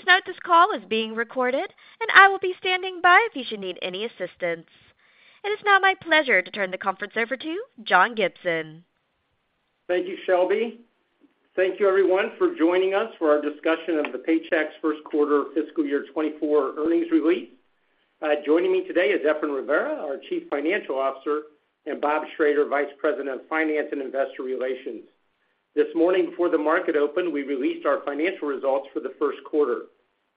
Please note this call is being recorded, and I will be standing by if you should need any assistance. It is now my pleasure to turn the conference over to John Gibson. Thank you, Shelby. Thank you everyone for joining us for our discussion of the Paychex first quarter fiscal year 2024 earnings release. Joining me today is Efrain Rivera, our Chief Financial Officer, and Bob Schrader, Vice President of Finance and Investor Relations. This morning, before the market opened, we released our financial results for the first quarter.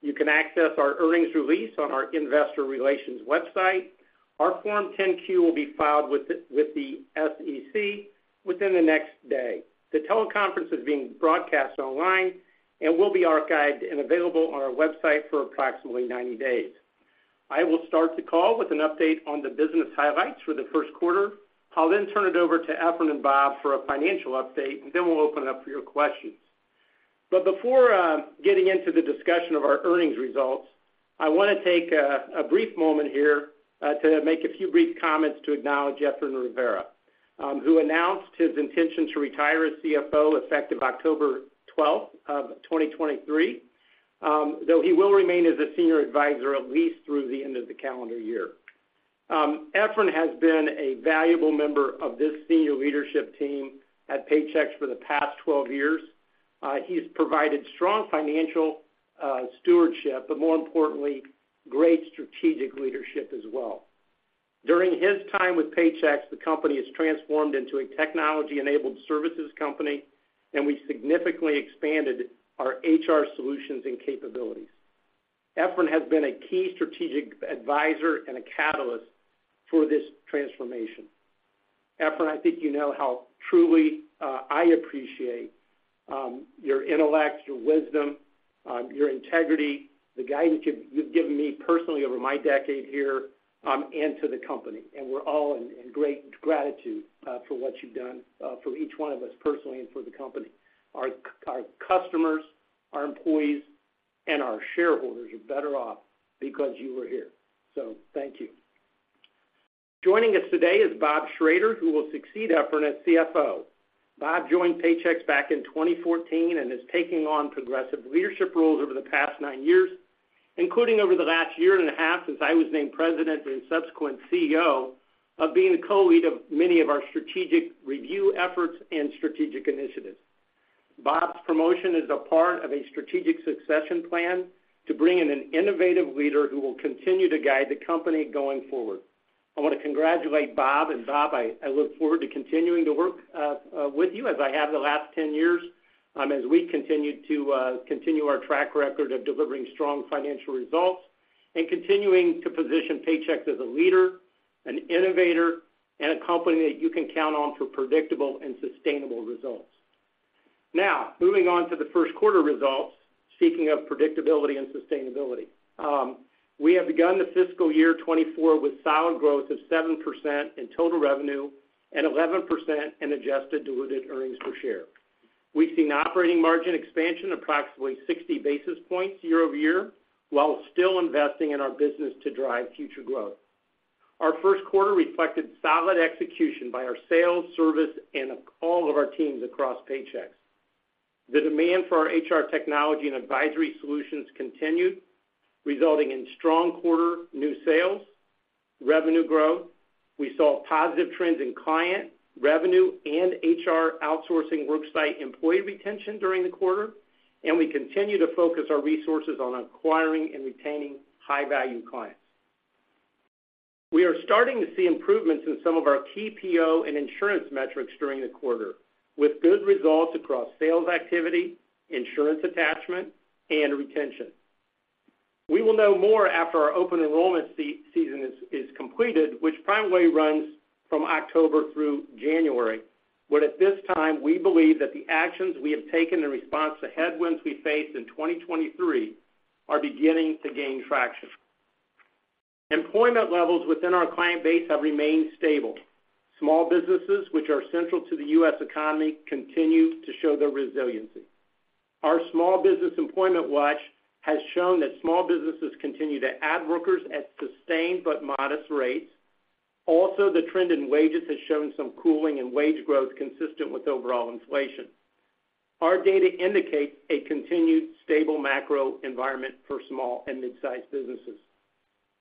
You can access our earnings release on our investor relations website. Our Form 10-Q will be filed with the SEC within the next day. The teleconference is being broadcast online and will be archived and available on our website for approximately 90 days. I will start the call with an update on the business highlights for the first quarter. I'll then turn it over to Efrain and Bob for a financial update, and then we'll open it up for your questions. But before getting into the discussion of our earnings results, I want to take a brief moment here to make a few brief comments to acknowledge Efrain Rivera, who announced his intention to retire as CFO effective October 12, 2023. Though he will remain as a senior advisor at least through the end of the calendar year. Efrain has been a valuable member of this senior leadership team at Paychex for the past 12 years. He's provided strong financial stewardship, but more importantly, great strategic leadership as well. During his time with Paychex, the company has transformed into a technology-enabled services company, and we significantly expanded our HR solutions and capabilities. Efrain has been a key strategic advisor and a catalyst for this transformation. Efrain, I think you know how truly I appreciate your intellect, your wisdom, your integrity, the guidance you've given me personally over my decade here, and to the company. We're all in great gratitude for what you've done for each one of us personally and for the company. Our customers, our employees, and our shareholders are better off because you were here, so thank you. Joining us today is Bob Schrader, who will succeed Efrain as CFO. Bob joined Paychex back in 2014 and is taking on progressive leadership roles over the past nine years, including over the last year and a half, since I was named President and subsequent CEO, of being the co-lead of many of our strategic review efforts and strategic initiatives. Bob's promotion is a part of a strategic succession plan to bring in an innovative leader who will continue to guide the company going forward. I want to congratulate Bob, and Bob, I, I look forward to continuing to work with you as I have the last 10 years, as we continue to continue our track record of delivering strong financial results and continuing to position Paychex as a leader, an innovator, and a company that you can count on for predictable and sustainable results. Now, moving on to the first quarter results, speaking of predictability and sustainability. We have begun the fiscal year 2024 with solid growth of 7% in total revenue and 11% in Adjusted Diluted Earnings Per Share. We've seen Operating Margin expansion approximately 60 basis points year-over-year, while still investing in our business to drive future growth. Our first quarter reflected solid execution by our sales, service, and all of our teams across Paychex. The demand for our HR technology and advisory solutions continued, resulting in strong quarter new sales, revenue growth. We saw positive trends in client, revenue, and HR outsourcing worksite employee retention during the quarter, and we continue to focus our resources on acquiring and retaining high-value clients. We are starting to see improvements in some of our PPO and insurance metrics during the quarter, with good results across sales activity, insurance attachment, and retention. We will know more after our open enrollment season is completed, which primarily runs from October through January. But at this time, we believe that the actions we have taken in response to headwinds we faced in 2023 are beginning to gain traction. Employment levels within our client base have remained stable. Small businesses, which are central to the U.S. economy, continue to show their resiliency. Our Small Business Employment Watch has shown that small businesses continue to add workers at sustained but modest rates. Also, the trend in wages has shown some cooling in wage growth consistent with overall inflation. Our data indicates a continued stable macro environment for small and mid-sized businesses.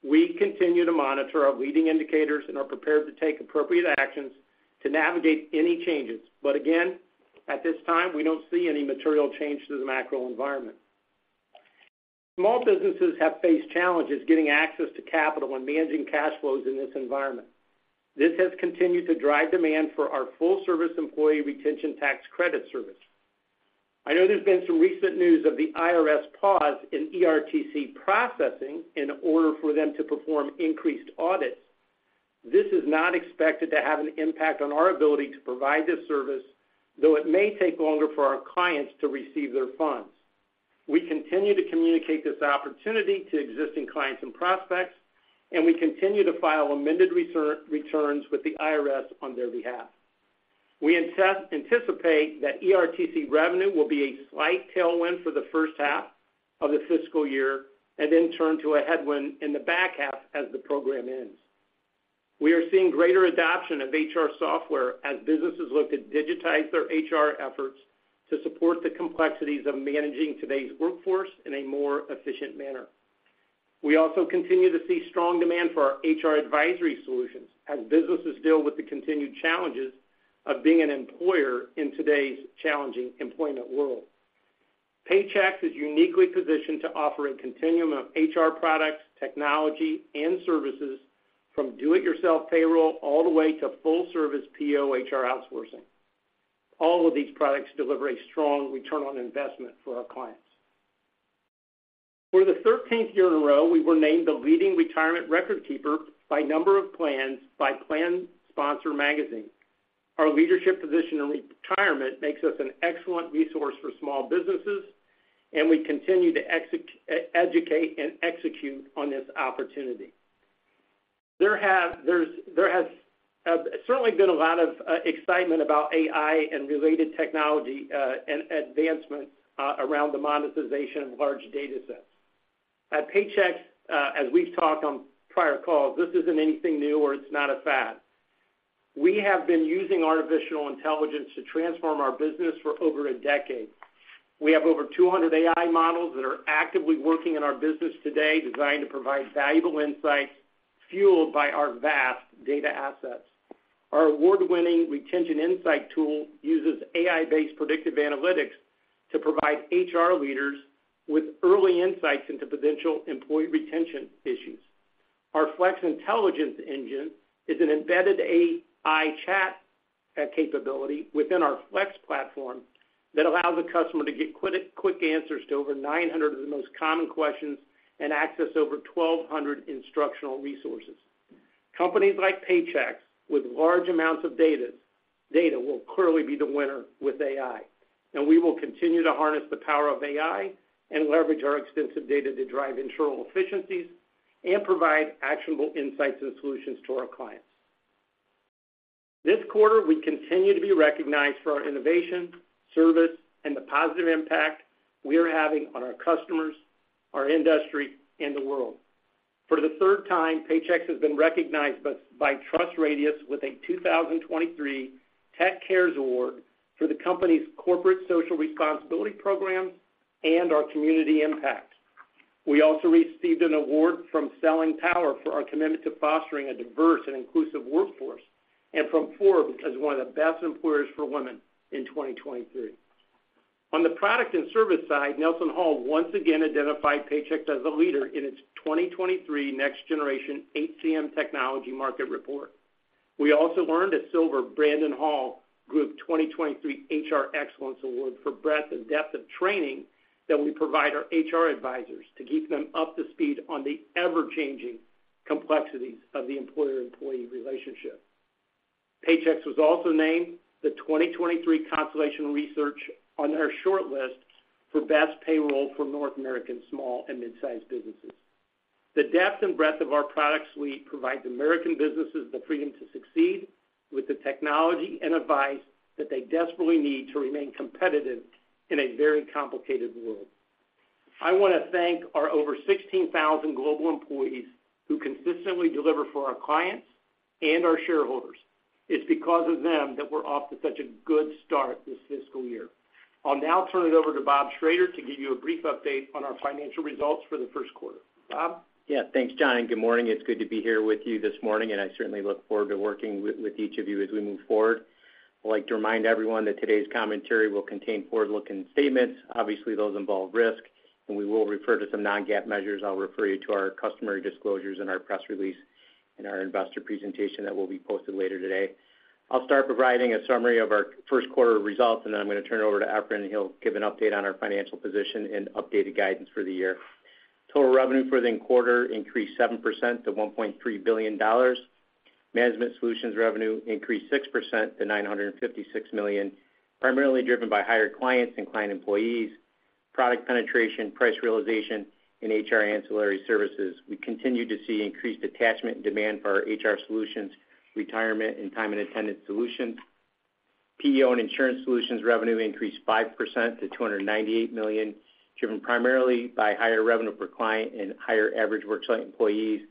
We continue to monitor our leading indicators and are prepared to take appropriate actions to navigate any changes. But again, at this time, we don't see any material change to the macro environment. Small businesses have faced challenges getting access to capital and managing cash flows in this environment. This has continued to drive demand for our full service employee retention tax credit service. I know there's been some recent news of the IRS pause in ERTC processing in order for them to perform increased audits. This is not expected to have an impact on our ability to provide this service, though it may take longer for our clients to receive their funds. We continue to communicate this opportunity to existing clients and prospects, and we continue to file amended returns with the IRS on their behalf. We anticipate that ERTC revenue will be a slight tailwind for the first half of the fiscal year and then turn to a headwind in the back half as the program ends. We are seeing greater adoption of HR software as businesses look to digitize their HR efforts to support the complexities of managing today's workforce in a more efficient manner. We also continue to see strong demand for our HR advisory solutions, as businesses deal with the continued challenges of being an employer in today's challenging employment world. Paychex is uniquely positioned to offer a continuum of HR products, technology, and services, from do-it-yourself payroll all the way to full-service PEO HR outsourcing. All of these products deliver a strong return on investment for our clients. For the thirteenth year in a row, we were named the leading retirement record keeper by number of plans by PlanSponsor magazine. Our leadership position in retirement makes us an excellent resource for small businesses, and we continue to educate and execute on this opportunity. There has certainly been a lot of excitement about AI and related technology and advancement around the monetization of large data sets. At Paychex, as we've talked on prior calls, this isn't anything new, or it's not a fad. We have been using artificial intelligence to transform our business for over a decade. We have over 200 AI models that are actively working in our business today, designed to provide valuable insights, fueled by our vast data assets. Our award-winning Retention Insights tool uses AI-based predictive analytics to provide HR leaders with early insights into potential employee retention issues. Our Flex Intelligence engine is an embedded AI chat capability within our Flex platform, that allows the customer to get quick answers to over 900 of the most common questions and access over 1,200 instructional resources. Companies like Paychex, with large amounts of data, will clearly be the winner with AI, and we will continue to harness the power of AI and leverage our extensive data to drive internal efficiencies and provide actionable insights and solutions to our clients. This quarter, we continue to be recognized for our innovation, service, and the positive impact we are having on our customers, our industry, and the world. For the third time, Paychex has been recognized by TrustRadius with a 2023 Tech Cares Award for the company's corporate social responsibility programs and our community impact. We also received an award from Selling Power for our commitment to fostering a diverse and inclusive workforce, and from Forbes, as one of the best employers for women in 2023. On the product and service side, NelsonHall once again identified Paychex as a leader in its 2023 Next Generation HCM Technology Market Report. We also earned a Silver Brandon Hall Group 2023 HR Excellence Award for breadth and depth of training that we provide our HR advisors, to keep them up to speed on the ever-changing complexities of the employer-employee relationship. Paychex was also named the 2023 Constellation Research on our short list for best payroll for North American small and mid-sized businesses. The depth and breadth of our product suite provides American businesses the freedom to succeed with the technology and advice that they desperately need to remain competitive in a very complicated world. I want to thank our over 16,000 global employees, who consistently deliver for our clients and our shareholders. It's because of them that we're off to such a good start this fiscal year. I'll now turn it over to Bob Schrader to give you a brief update on our financial results for the first quarter. Bob? Yeah. Thanks, John, and good morning. It's good to be here with you this morning, and I certainly look forward to working with each of you as we move forward. I'd like to remind everyone that today's commentary will contain forward-looking statements. Obviously, those involve risk, and we will refer to some non-GAAP measures. I'll refer you to our customary disclosures in our press release and our investor presentation that will be posted later today. I'll start providing a summary of our first quarter results, and then I'm going to turn it over to Efrain, and he'll give an update on our financial position and updated guidance for the year. Total revenue for the quarter increased 7% to $1.3 billion. Management solutions revenue increased 6% to $956 million, primarily driven by higher clients and client employees, product penetration, price realization, and HR ancillary services. We continue to see increased attachment and demand for our HR solutions, retirement, and time and attendance solutions. PEO and insurance solutions revenue increased 5% to $298 million, driven primarily by higher revenue per client and higher average worksite employees.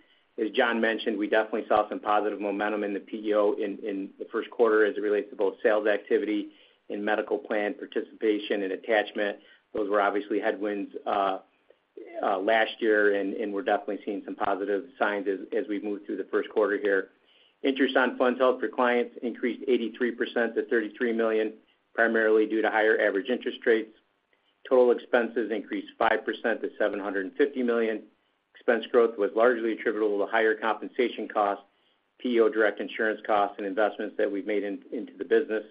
As John mentioned, we definitely saw some positive momentum in the PEO in the first quarter as it relates to both sales activity and medical plan participation and attachment. Those were obviously headwinds last year, and we're definitely seeing some positive signs as we've moved through the first quarter here. Interest on funds held for clients increased 83% to $33 million, primarily due to higher average interest rates. Total expenses increased 5% to $750 million. Expense growth was largely attributable to higher compensation costs, PEO direct insurance costs, and investments that we've made into the business.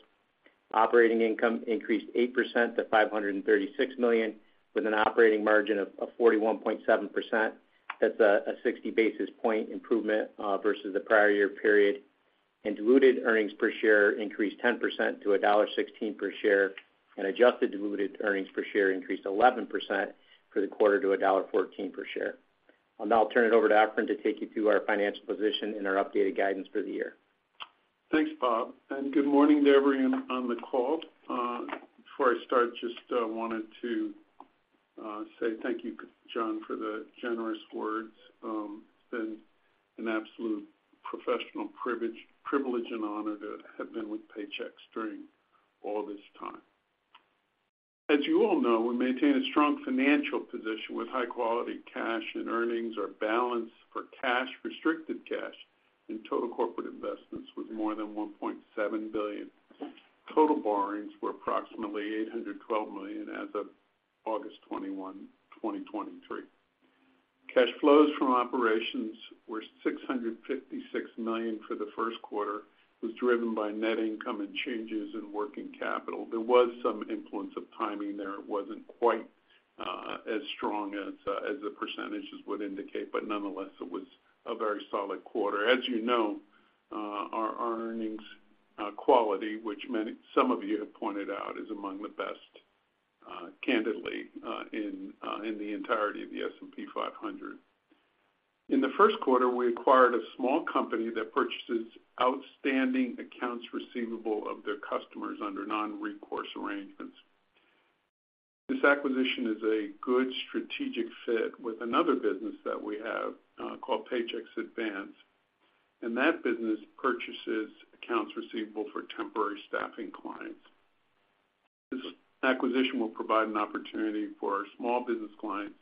Operating income increased 8% to $536 million, with an operating margin of, of 41.7%. That's a, a 60 basis point improvement versus the prior year period. And diluted earnings per share increased 10% to $1.16 per share, and adjusted diluted earnings per share increased 11% for the quarter to $1.14 per share. I'll now turn it over to Efrain to take you through our financial position and our updated guidance for the year.... Thanks, Bob, and good morning to everyone on the call. Before I start, just wanted to say thank you, John, for the generous words. It's been an absolute professional privilege and honor to have been with Paychex during all this time. As you all know, we maintain a strong financial position with high-quality cash, and earnings are balanced for cash, restricted cash, and total corporate investments with more than $1.7 billion. Total borrowings were approximately $812 million as of August 21, 2023. Cash flows from operations were $656 million for the first quarter, was driven by net income and changes in working capital. There was some influence of timing there. It wasn't quite as strong as the percentages would indicate, but nonetheless, it was a very solid quarter. As you know, our earnings quality, which many, some of you have pointed out, is among the best, candidly, in the entirety of the S&P 500. In the first quarter, we acquired a small company that purchases outstanding accounts receivable of their customers under non-recourse arrangements. This acquisition is a good strategic fit with another business that we have, called Paychex Advance, and that business purchases accounts receivable for temporary staffing clients. This acquisition will provide an opportunity for our small business clients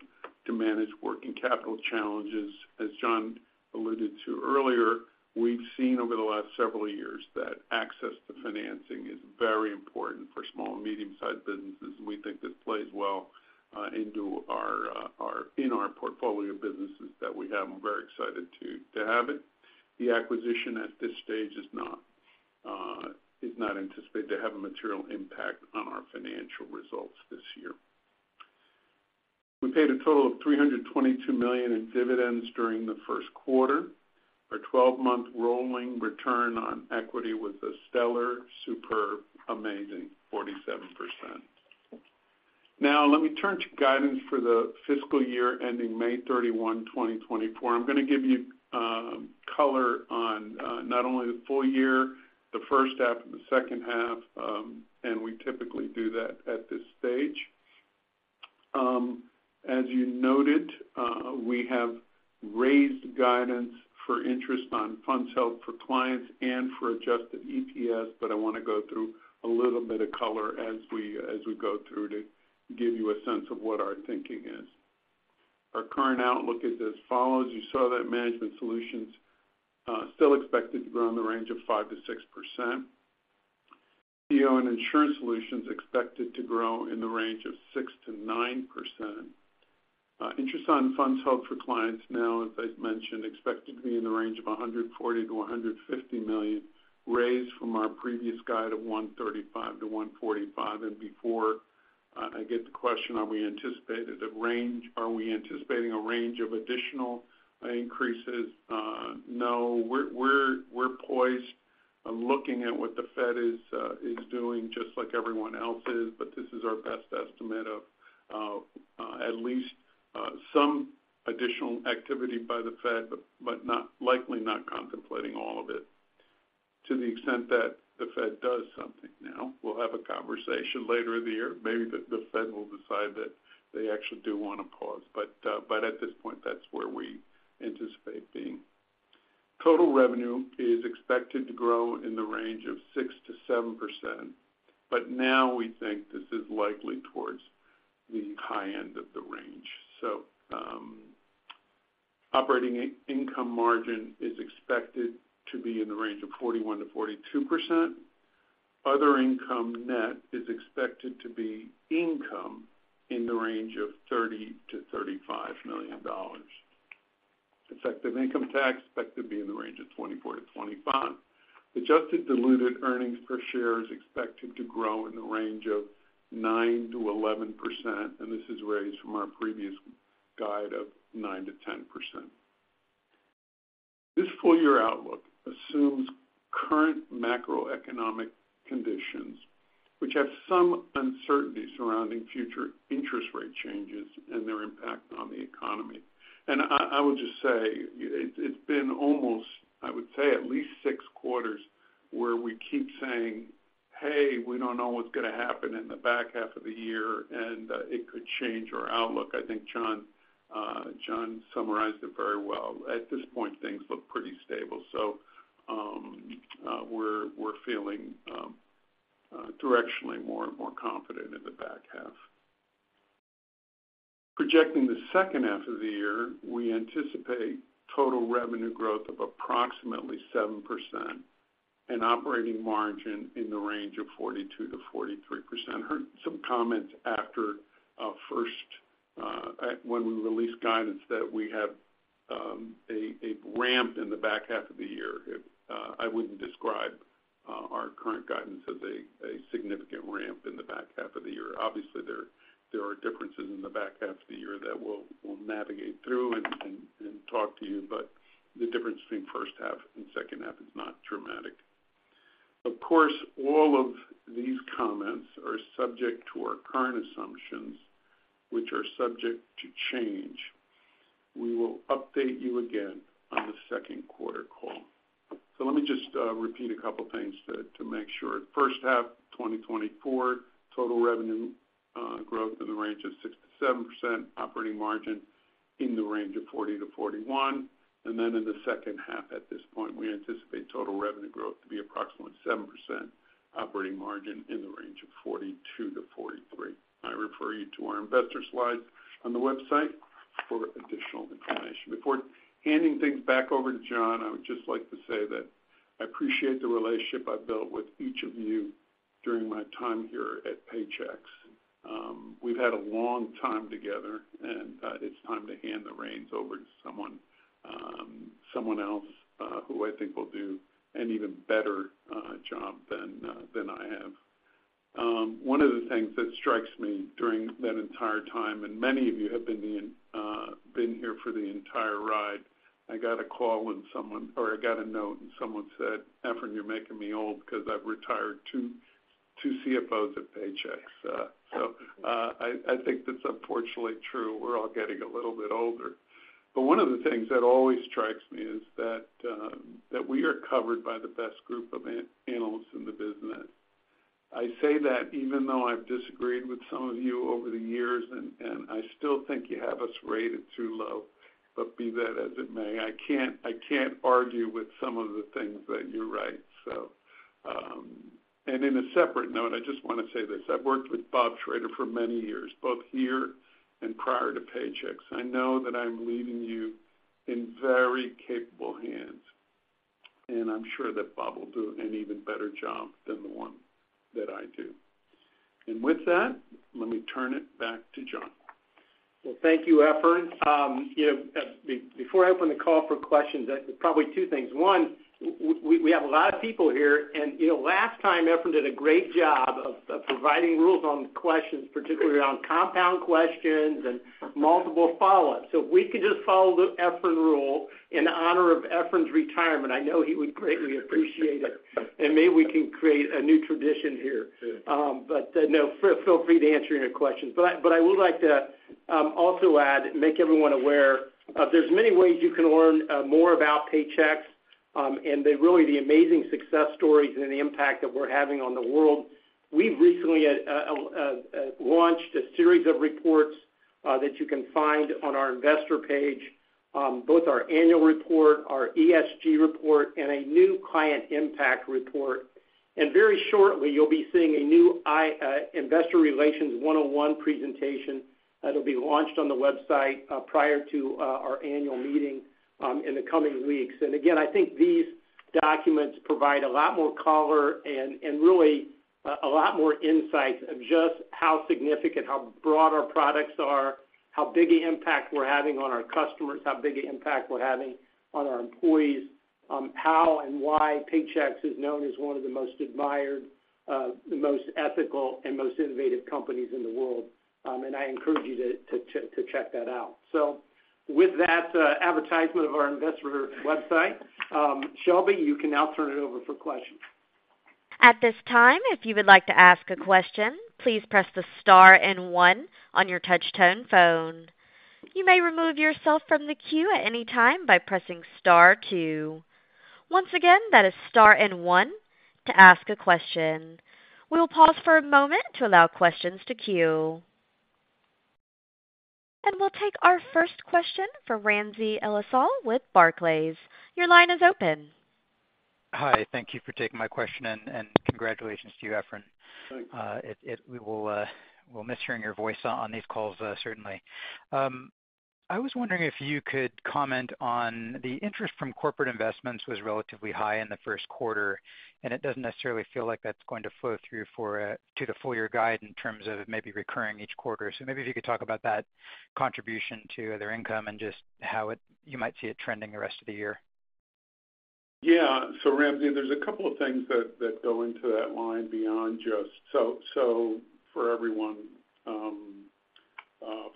to manage working capital challenges. As John alluded to earlier, we've seen over the last several years that access to financing is very important for small and medium-sized businesses. We think this plays well into our portfolio businesses that we have. I'm very excited to have it. The acquisition at this stage is not, is not anticipated to have a material impact on our financial results this year. We paid a total of $322 million in dividends during the first quarter. Our twelve-month rolling return on equity was a stellar, superb, amazing 47%. Now, let me turn to guidance for the fiscal year ending May 31, 2024. I'm gonna give you, color on, not only the full year, the first half and the second half, and we typically do that at this stage. As you noted, we have raised guidance for interest on funds held for clients and for adjusted EPS, but I want to go through a little bit of color as we, as we go through to give you a sense of what our thinking is. Our current outlook is as follows: You saw that management solutions still expected to grow in the range of 5%-6%. CEO and insurance solutions expected to grow in the range of 6%-9%. Interest on funds held for clients now, as I've mentioned, expected to be in the range of $140 million-$150 million, raised from our previous guide of $135 million-$145 million. Before I get the question, are we anticipating a range of additional increases? No, we're poised on looking at what the Fed is doing, just like everyone else is, but this is our best estimate of at least some additional activity by the Fed, but not likely contemplating all of it. To the extent that the Fed does something now, we'll have a conversation later in the year. Maybe the Fed will decide that they actually do want to pause, but, but at this point, that's where we anticipate being. Total revenue is expected to grow in the range of 6%-7%, but now we think this is likely towards the high end of the range. So, operating income margin is expected to be in the range of 41%-42%. Other income net is expected to be income in the range of $30 million-$35 million. Effective income tax expected to be in the range of 24%-25%. Adjusted Diluted Earnings Per Share is expected to grow in the range of 9%-11%, and this is raised from our previous guide of 9%-10%. This full-year outlook assumes current macroeconomic conditions, which have some uncertainty surrounding future interest rate changes and their impact on the economy. I would just say, it's been almost, I would say, at least six quarters, where we keep saying: Hey, we don't know what's gonna happen in the back half of the year, and it could change our outlook. I think John summarized it very well. At this point, things look pretty stable, so we're feeling directionally more and more confident in the back half. Projecting the second half of the year, we anticipate total revenue growth of approximately 7% and operating margin in the range of 42%-43%. Heard some comments after first at when we released guidance that we have a ramp in the back half of the year. I wouldn't describe our current guidance as a significant ramp in the back half of the year. Obviously, there are differences in the back half of the year that we'll navigate through and talk to you, but the difference between first half and second half is not dramatic. Of course, all of these comments are subject to our current assumptions, which are subject to change. We will update you again on the second quarter call. So let me just repeat a couple things to make sure. First half, 2024, total revenue growth in the range of 6%-7%, operating margin in the range of 40%-41%. And then in the second half, at this point, we anticipate total revenue growth to be approximately 7%, operating margin in the range of 42%-43%. I refer you to our investor slides on the website for additional information. Before handing things back over to John, I would just like to say that I appreciate the relationship I've built with each of you during my time here at Paychex. We've had a long time together, and it's time to hand the reins over to someone, someone else, who I think will do an even better job than I have. One of the things that strikes me during that entire time, and many of you have been here for the entire ride. I got a call when someone... Or I got a note, and someone said, "Efrain, you're making me old because I've retired two CFOs at Paychex." So, I think that's unfortunately true. We're all getting a little bit older. But one of the things that always strikes me is that, that we are covered by the best group of analysts in the business. I say that even though I've disagreed with some of you over the years, and, and I still think you have us rated too low. But be that as it may, I can't, I can't argue with some of the things that you write. So, and in a separate note, I just want to say this: I've worked with Bob Schrader for many years, both here and prior to Paychex. I know that I'm leaving you in very capable hands, and I'm sure that Bob will do an even better job than the one that I do. And with that, let me turn it back to John. Well, thank you, Efrain. You know, before I open the call for questions, probably two things. One, we have a lot of people here, and, you know, last time, Efrain did a great job of providing rules on questions, particularly on compound questions and multiple follow-ups. So if we could just follow the Efrain rule in honor of Efrain's retirement, I know he would greatly appreciate it, and maybe we can create a new tradition here. Sure. But no, feel free to answer any questions. But I would like to also add, make everyone aware, there's many ways you can learn more about Paychex, and the really amazing success stories and the impact that we're having on the world. We've recently launched a series of reports that you can find on our investor page, both our annual report, our ESG report, and a new client impact report. And very shortly, you'll be seeing a new investor relations one-on-one presentation that'll be launched on the website, prior to our annual meeting, in the coming weeks. And again, I think these documents provide a lot more color and really a lot more insights of just how significant, how broad our products are, how big an impact we're having on our customers, how big an impact we're having on our employees, how and why Paychex is known as one of the most admired, the most ethical and most innovative companies in the world. I encourage you to check that out. So with that, advertisement of our investor website, Shelby, you can now turn it over for questions. At this time, if you would like to ask a question, please press the star and one on your touch tone phone. You may remove yourself from the queue at any time by pressing star two. Once again, that is star and one to ask a question. We'll pause for a moment to allow questions to queue. We'll take our first question from Ramsey El-Assal with Barclays. Your line is open. Hi, thank you for taking my question, and congratulations to you, Efrain. Thank you. We will miss hearing your voice on these calls, certainly. I was wondering if you could comment on the interest from corporate investments was relatively high in the first quarter, and it doesn't necessarily feel like that's going to flow through to the full year guide in terms of it maybe recurring each quarter. So maybe if you could talk about that contribution to other income and just how you might see it trending the rest of the year. Yeah. So Ramsey, there's a couple of things that go into that line beyond just... So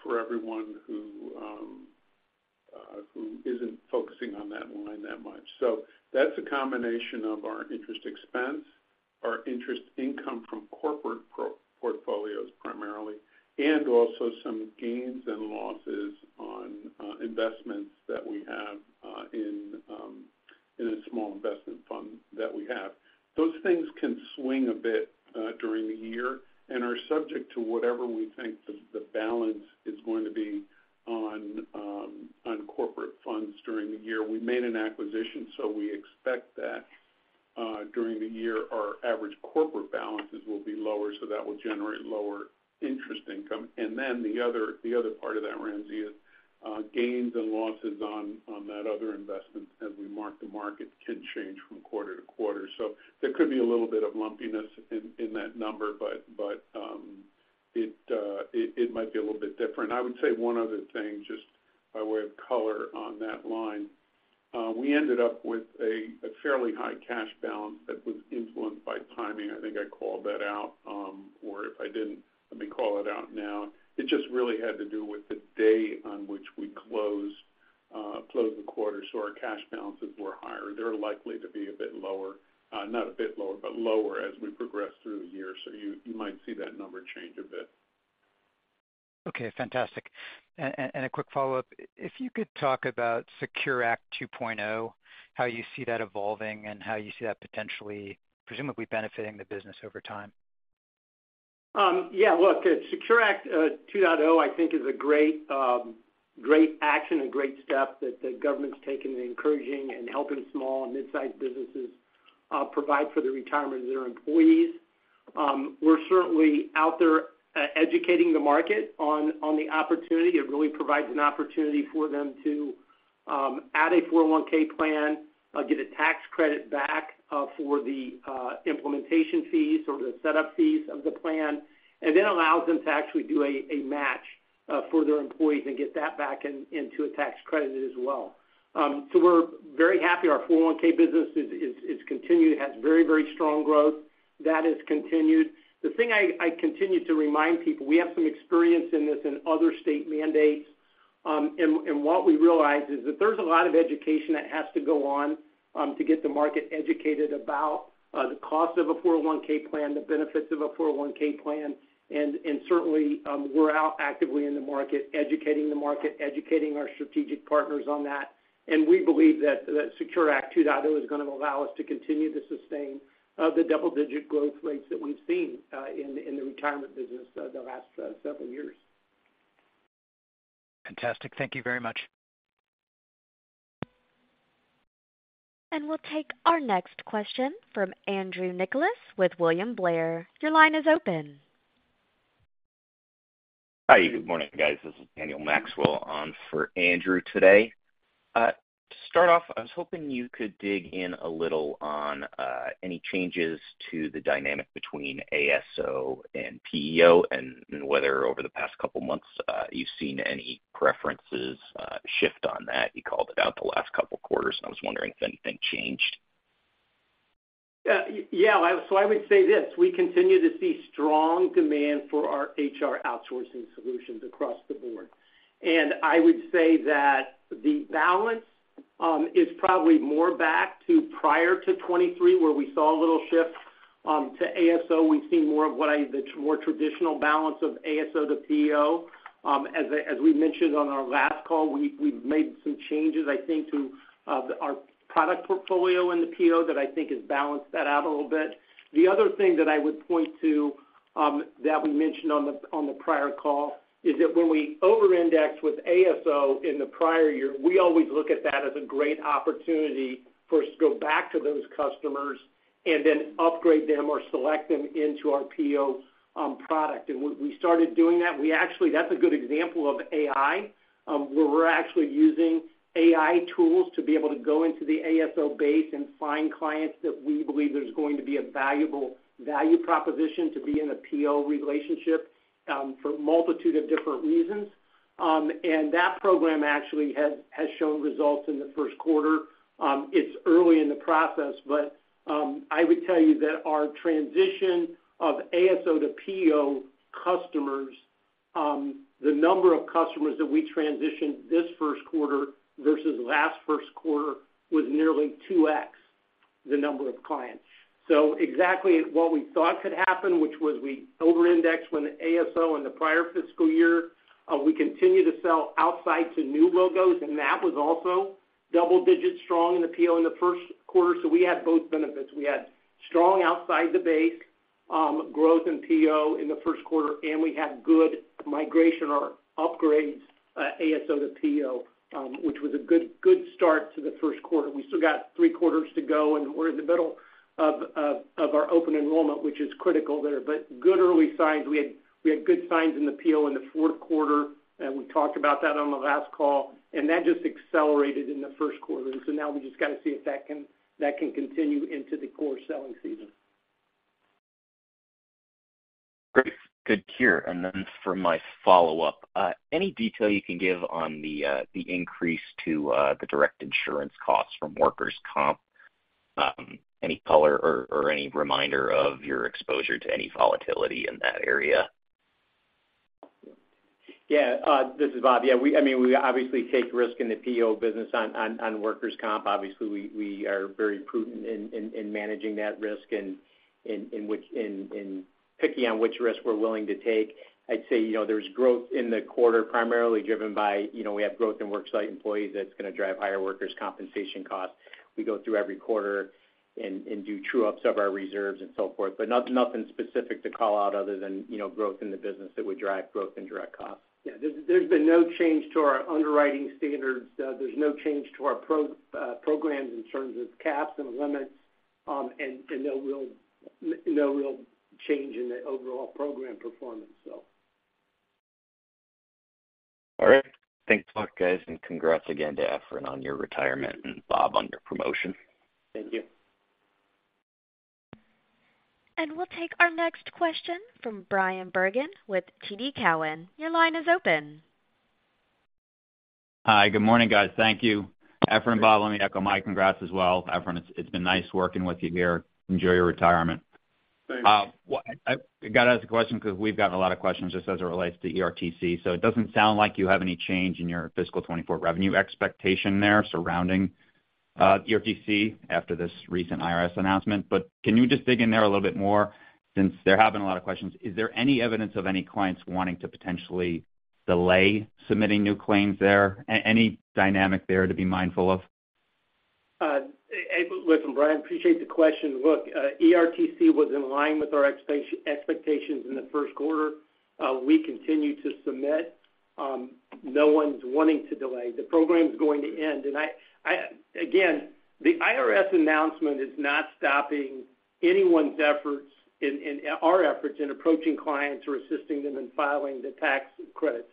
for everyone who isn't focusing on that line that much. So that's a combination of our interest expense, our interest income from corporate portfolios primarily, and also some gains and losses on investments that we have in a small investment fund that we have. Those things can swing a bit during the year and are subject to whatever we think the balance is going to be on corporate funds during the year. We made an acquisition, so we expect that during the year, our average corporate balances will be lower, so that will generate lower interest income. And then the other part of that, Ramsey, is gains and losses on that other investment as we mark the market can change from quarter to quarter. So there could be a little bit of lumpiness in that number, but it might be a little bit different. I would say one other thing, just by way of color on that line. We ended up with a fairly high cash balance that was influenced by timing. I think I called that out, or if I didn't, let me call it out now. It just really had to do with the day on which we closed.... closing quarters, so our cash balances were higher. They're likely to be a bit lower, not a bit lower, but lower as we progress through the year. So you might see that number change a bit. Okay, fantastic. And a quick follow-up. If you could talk about SECURE Act 2.0, how you see that evolving and how you see that potentially presumably benefiting the business over time? Yeah, look, SECURE Act 2.0, I think is a great, great action and great step that the government's taken in encouraging and helping small and mid-sized businesses, provide for the retirement of their employees. We're certainly out there, educating the market on, on the opportunity. It really provides an opportunity for them to, add a 401(k) plan, get a tax credit back, for the, implementation fees or the setup fees of the plan, and then allows them to actually do a, a match, for their employees and get that back in, into a tax credit as well. So we're very happy. Our 401(k) business is, is, is continued, has very, very strong growth. That has continued. The thing I continue to remind people, we have some experience in this in other state mandates, and what we realize is that there's a lot of education that has to go on, to get the market educated about, the cost of a 401 plan, the benefits of a 401 plan. And certainly, we're out actively in the market, educating the market, educating our strategic partners on that. And we believe that the SECURE Act 2.0 is gonna allow us to continue to sustain, the double-digit growth rates that we've seen, in the retirement business, the last several years. Fantastic. Thank you very much. We'll take our next question from Andrew Nicholas with William Blair. Your line is open. Hi, good morning, guys. This is Daniel Maxwell on for Andrew today. To start off, I was hoping you could dig in a little on any changes to the dynamic between ASO and PEO, and whether over the past couple of months you've seen any preferences shift on that? You called it out the last couple of quarters, and I was wondering if anything changed? So I would say this: We continue to see strong demand for our HR outsourcing solutions across the board. I would say that the balance is probably more back to prior to 2023, where we saw a little shift to ASO. We've seen more of what the more traditional balance of ASO to PEO. As we mentioned on our last call, we've made some changes, I think, to our product portfolio in the PEO that I think has balanced that out a little bit. The other thing that I would point to, that we mentioned on the prior call, is that when we over-indexed with ASO in the prior year, we always look at that as a great opportunity for us to go back to those customers and then upgrade them or select them into our PEO product. We started doing that. We actually. That's a good example of AI, where we're actually using AI tools to be able to go into the ASO base and find clients that we believe there's going to be a valuable value proposition to be in a PEO relationship for a multitude of different reasons. That program actually has shown results in the first quarter. It's early in the process, but, I would tell you that our transition of ASO to PEO customers, the number of customers that we transitioned this first quarter versus last first quarter, was nearly 2x the number of clients. So exactly what we thought could happen, which was we over-indexed when ASO in the prior fiscal year, we continued to sell outside to new logos, and that was also double-digit strong in the PEO in the first quarter. So we had both benefits. We had strong outside the base, growth in PEO in the first quarter, and we had good migration or upgrades, ASO to PEO, which was a good, good start to the first quarter. We still got 3 quarters to go, and we're in the middle of, of our open enrollment, which is critical there. But good early signs. We had good signs in the PEO in the fourth quarter, and we talked about that on the last call, and that just accelerated in the first quarter. So now we just got to see if that can continue into the core selling season. Great. Good to hear. And then for my follow-up, any detail you can give on the increase to the direct insurance costs from workers' comp? Any color or any reminder of your exposure to any volatility in that area? Yeah, this is Bob. Yeah, I mean, we obviously take risk in the PEO business on workers' comp. Obviously, we are very prudent in managing that risk and in picking which risk we're willing to take. I'd say, you know, there's growth in the quarter, primarily driven by, you know, we have growth in worksite employees that's going to drive higher workers' compensation costs. We go through every quarter and do true-ups of our reserves and so forth, but nothing specific to call out other than, you know, growth in the business that would drive growth in direct costs. Yeah, there's been no change to our underwriting standards. There's no change to our programs in terms of caps and limits, and no real change in the overall program performance, so. All right. Thanks a lot, guys, and congrats again to Efrain on your retirement and Bob, on your promotion. Thank you. We'll take our next question from Brian Bergin with TD Cowen. Your line is open. Hi, good morning, guys. Thank you. Efrain, Bob, let me echo my. Congrats as well, Efrain. It's been nice working with you here. Enjoy your retirement. Well, I got to ask the question because we've gotten a lot of questions just as it relates to ERTC. So it doesn't sound like you have any change in your fiscal 2024 revenue expectation there surrounding ERTC after this recent IRS announcement. But can you just dig in there a little bit more, since there have been a lot of questions? Is there any evidence of any clients wanting to potentially delay submitting new claims there? Any dynamic there to be mindful of? Listen, Brian, appreciate the question. Look, ERTC was in line with our expectations in the first quarter. We continue to submit. No one's wanting to delay. The program is going to end, and... Again, the IRS announcement is not stopping anyone's efforts, our efforts in approaching clients or assisting them in filing the tax credits.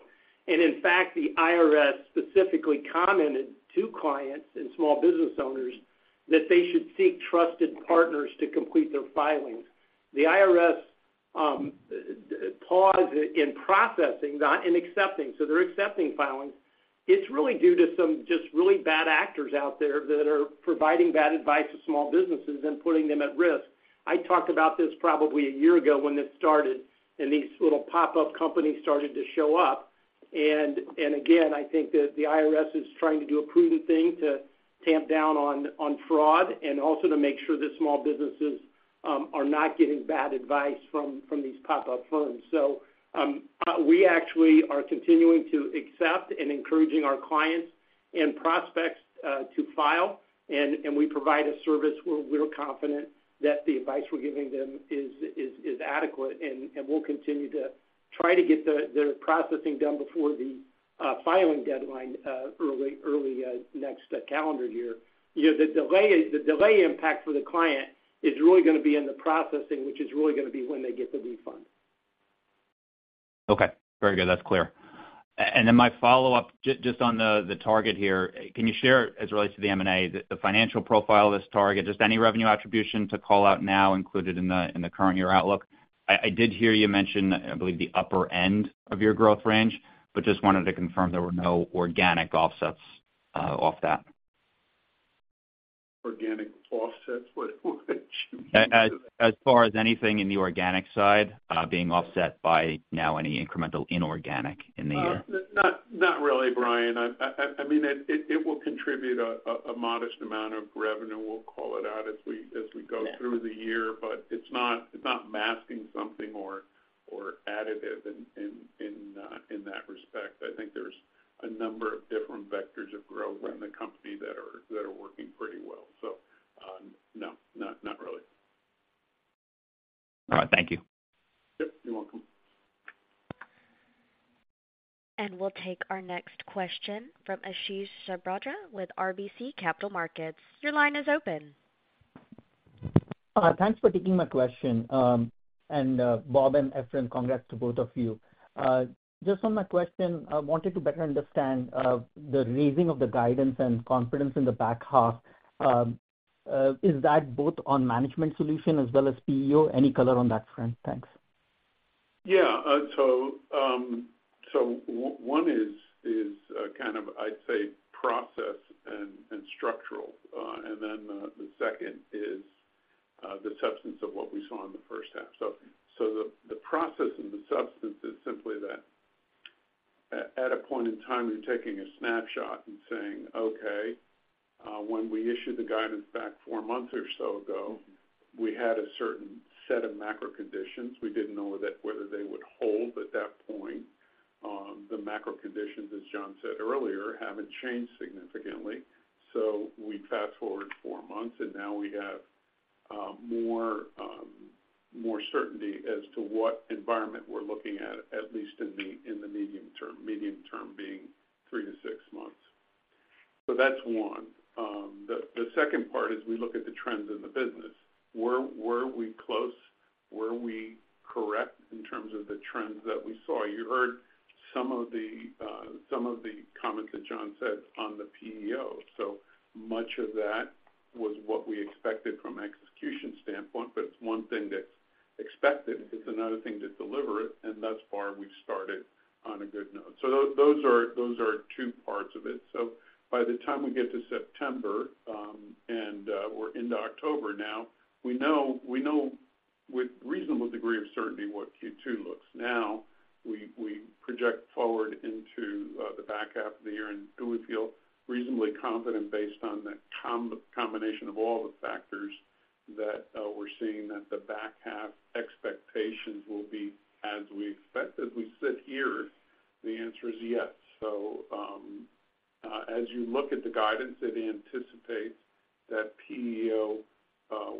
And in fact, the IRS specifically commented to clients and small business owners that they should seek trusted partners to complete their filings. The IRS pause in processing, not in accepting, so they're accepting filings. It's really due to some just really bad actors out there that are providing bad advice to small businesses and putting them at risk. I talked about this probably a year ago when this started, and these little pop-up companies started to show up. And again, I think that the IRS is trying to do a prudent thing to tamp down on fraud and also to make sure that small businesses are not getting bad advice from these pop-up firms. So, we actually are continuing to accept and encouraging our clients and prospects to file, and we provide a service where we're confident that the advice we're giving them is adequate, and we'll continue to try to get the processing done before the filing deadline early next calendar year. You know, the delay impact for the client is really gonna be in the processing, which is really gonna be when they get the refund. Okay, very good. That's clear. And then my follow-up, just on the, the target here. Can you share, as it relates to the M&A, the, the financial profile of this target, just any revenue attribution to call out now included in the, in the current year outlook? I, I did hear you mention, I believe, the upper end of your growth range, but just wanted to confirm there were no organic offsets, off that. Organic offsets, what, what? As far as anything in the organic side, being offset by now any incremental inorganic in the year. Not really, Brian. I mean, it will contribute a modest amount of revenue. We'll call it out as we go- Yeah... Through the year, but it's not, it's not masking something or additive in that respect. I think there's a number of different vectors of growth in the company that are working pretty well. So, no, not really. All right. Thank you. Yep, you're welcome. We'll take our next question from Ashish Sabadra with RBC Capital Markets. Your line is open. Thanks for taking my question. Bob and Efrain, congrats to both of you. Just on my question, I wanted to better understand the raising of the guidance and confidence in the back half. Is that both on management solution as well as PEO? Any color on that front? Thanks. Yeah, so one is kind of, I'd say, process and structural, and then the second is the substance of what we saw in the first half. So the process and the substance is simply that, at a point in time, you're taking a snapshot and saying, "Okay, when we issued the guidance back four months or so ago, we had a certain set of macro conditions. We didn't know that whether they would hold at that point." The macro conditions, as John said earlier, haven't changed significantly. So we fast forward four months, and now we have more certainty as to what environment we're looking at, at least in the medium term, medium term being three to six months. So that's one. The second part is we look at the trends in the business. Were we close? Were we correct in terms of the trends that we saw? You heard some of the comments that John said on the PEO. So much of that was what we expected from an execution standpoint, but it's one thing that's expected, it's another thing to deliver it, and thus far, we've started on a good note. So those are, those are two parts of it. So by the time we get to September, and or into October now, we know with reasonable degree of certainty what Q2 looks. Now, we project forward into the back half of the year, and do we feel reasonably confident based on the combination of all the factors that we're seeing that the back half expectations will be as we expected? We sit here, the answer is yes. So, as you look at the guidance, it anticipates that PEO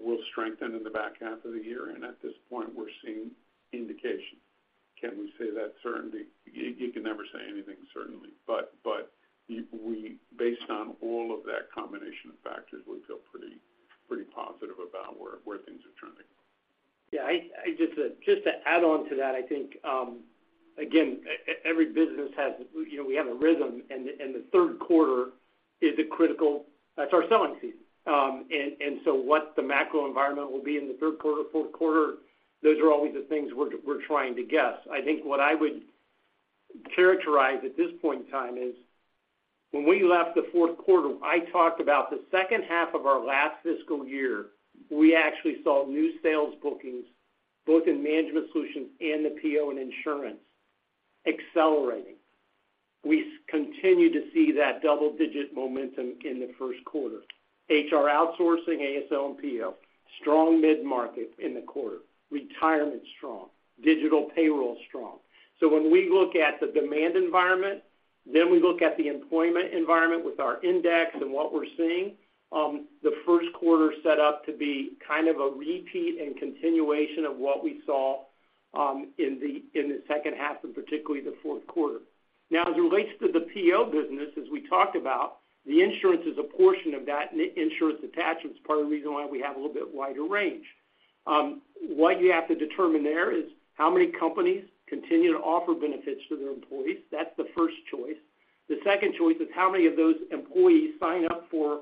will strengthen in the back half of the year, and at this point, we're seeing indications. Can we say that certainty? You can never say anything certainly, but based on all of that combination of factors, we feel pretty positive about where things are trending. Yeah, just to add on to that, I think, again, every business has, you know, we have a rhythm, and the third quarter is a critical. That's our selling season. And so what the macro environment will be in the third quarter, fourth quarter, those are always the things we're trying to guess. I think what I would characterize at this point in time is when we left the fourth quarter, I talked about the second half of our last fiscal year, we actually saw new sales bookings, both in management solutions and the PEO and insurance accelerating. We continue to see that double-digit momentum in the first quarter. HR outsourcing, ASO and PEO, strong mid-market in the quarter. Retirement, strong. Digital payroll, strong. So when we look at the demand environment, then we look at the employment environment with our index and what we're seeing, the first quarter set up to be kind of a repeat and continuation of what we saw, in the second half, and particularly the fourth quarter. Now, as it relates to the PEO business, as we talked about, the insurance is a portion of that, and the insurance attachment is part of the reason why we have a little bit wider range. What you have to determine there is how many companies continue to offer benefits to their employees. That's the first choice. The second choice is how many of those employees sign up for,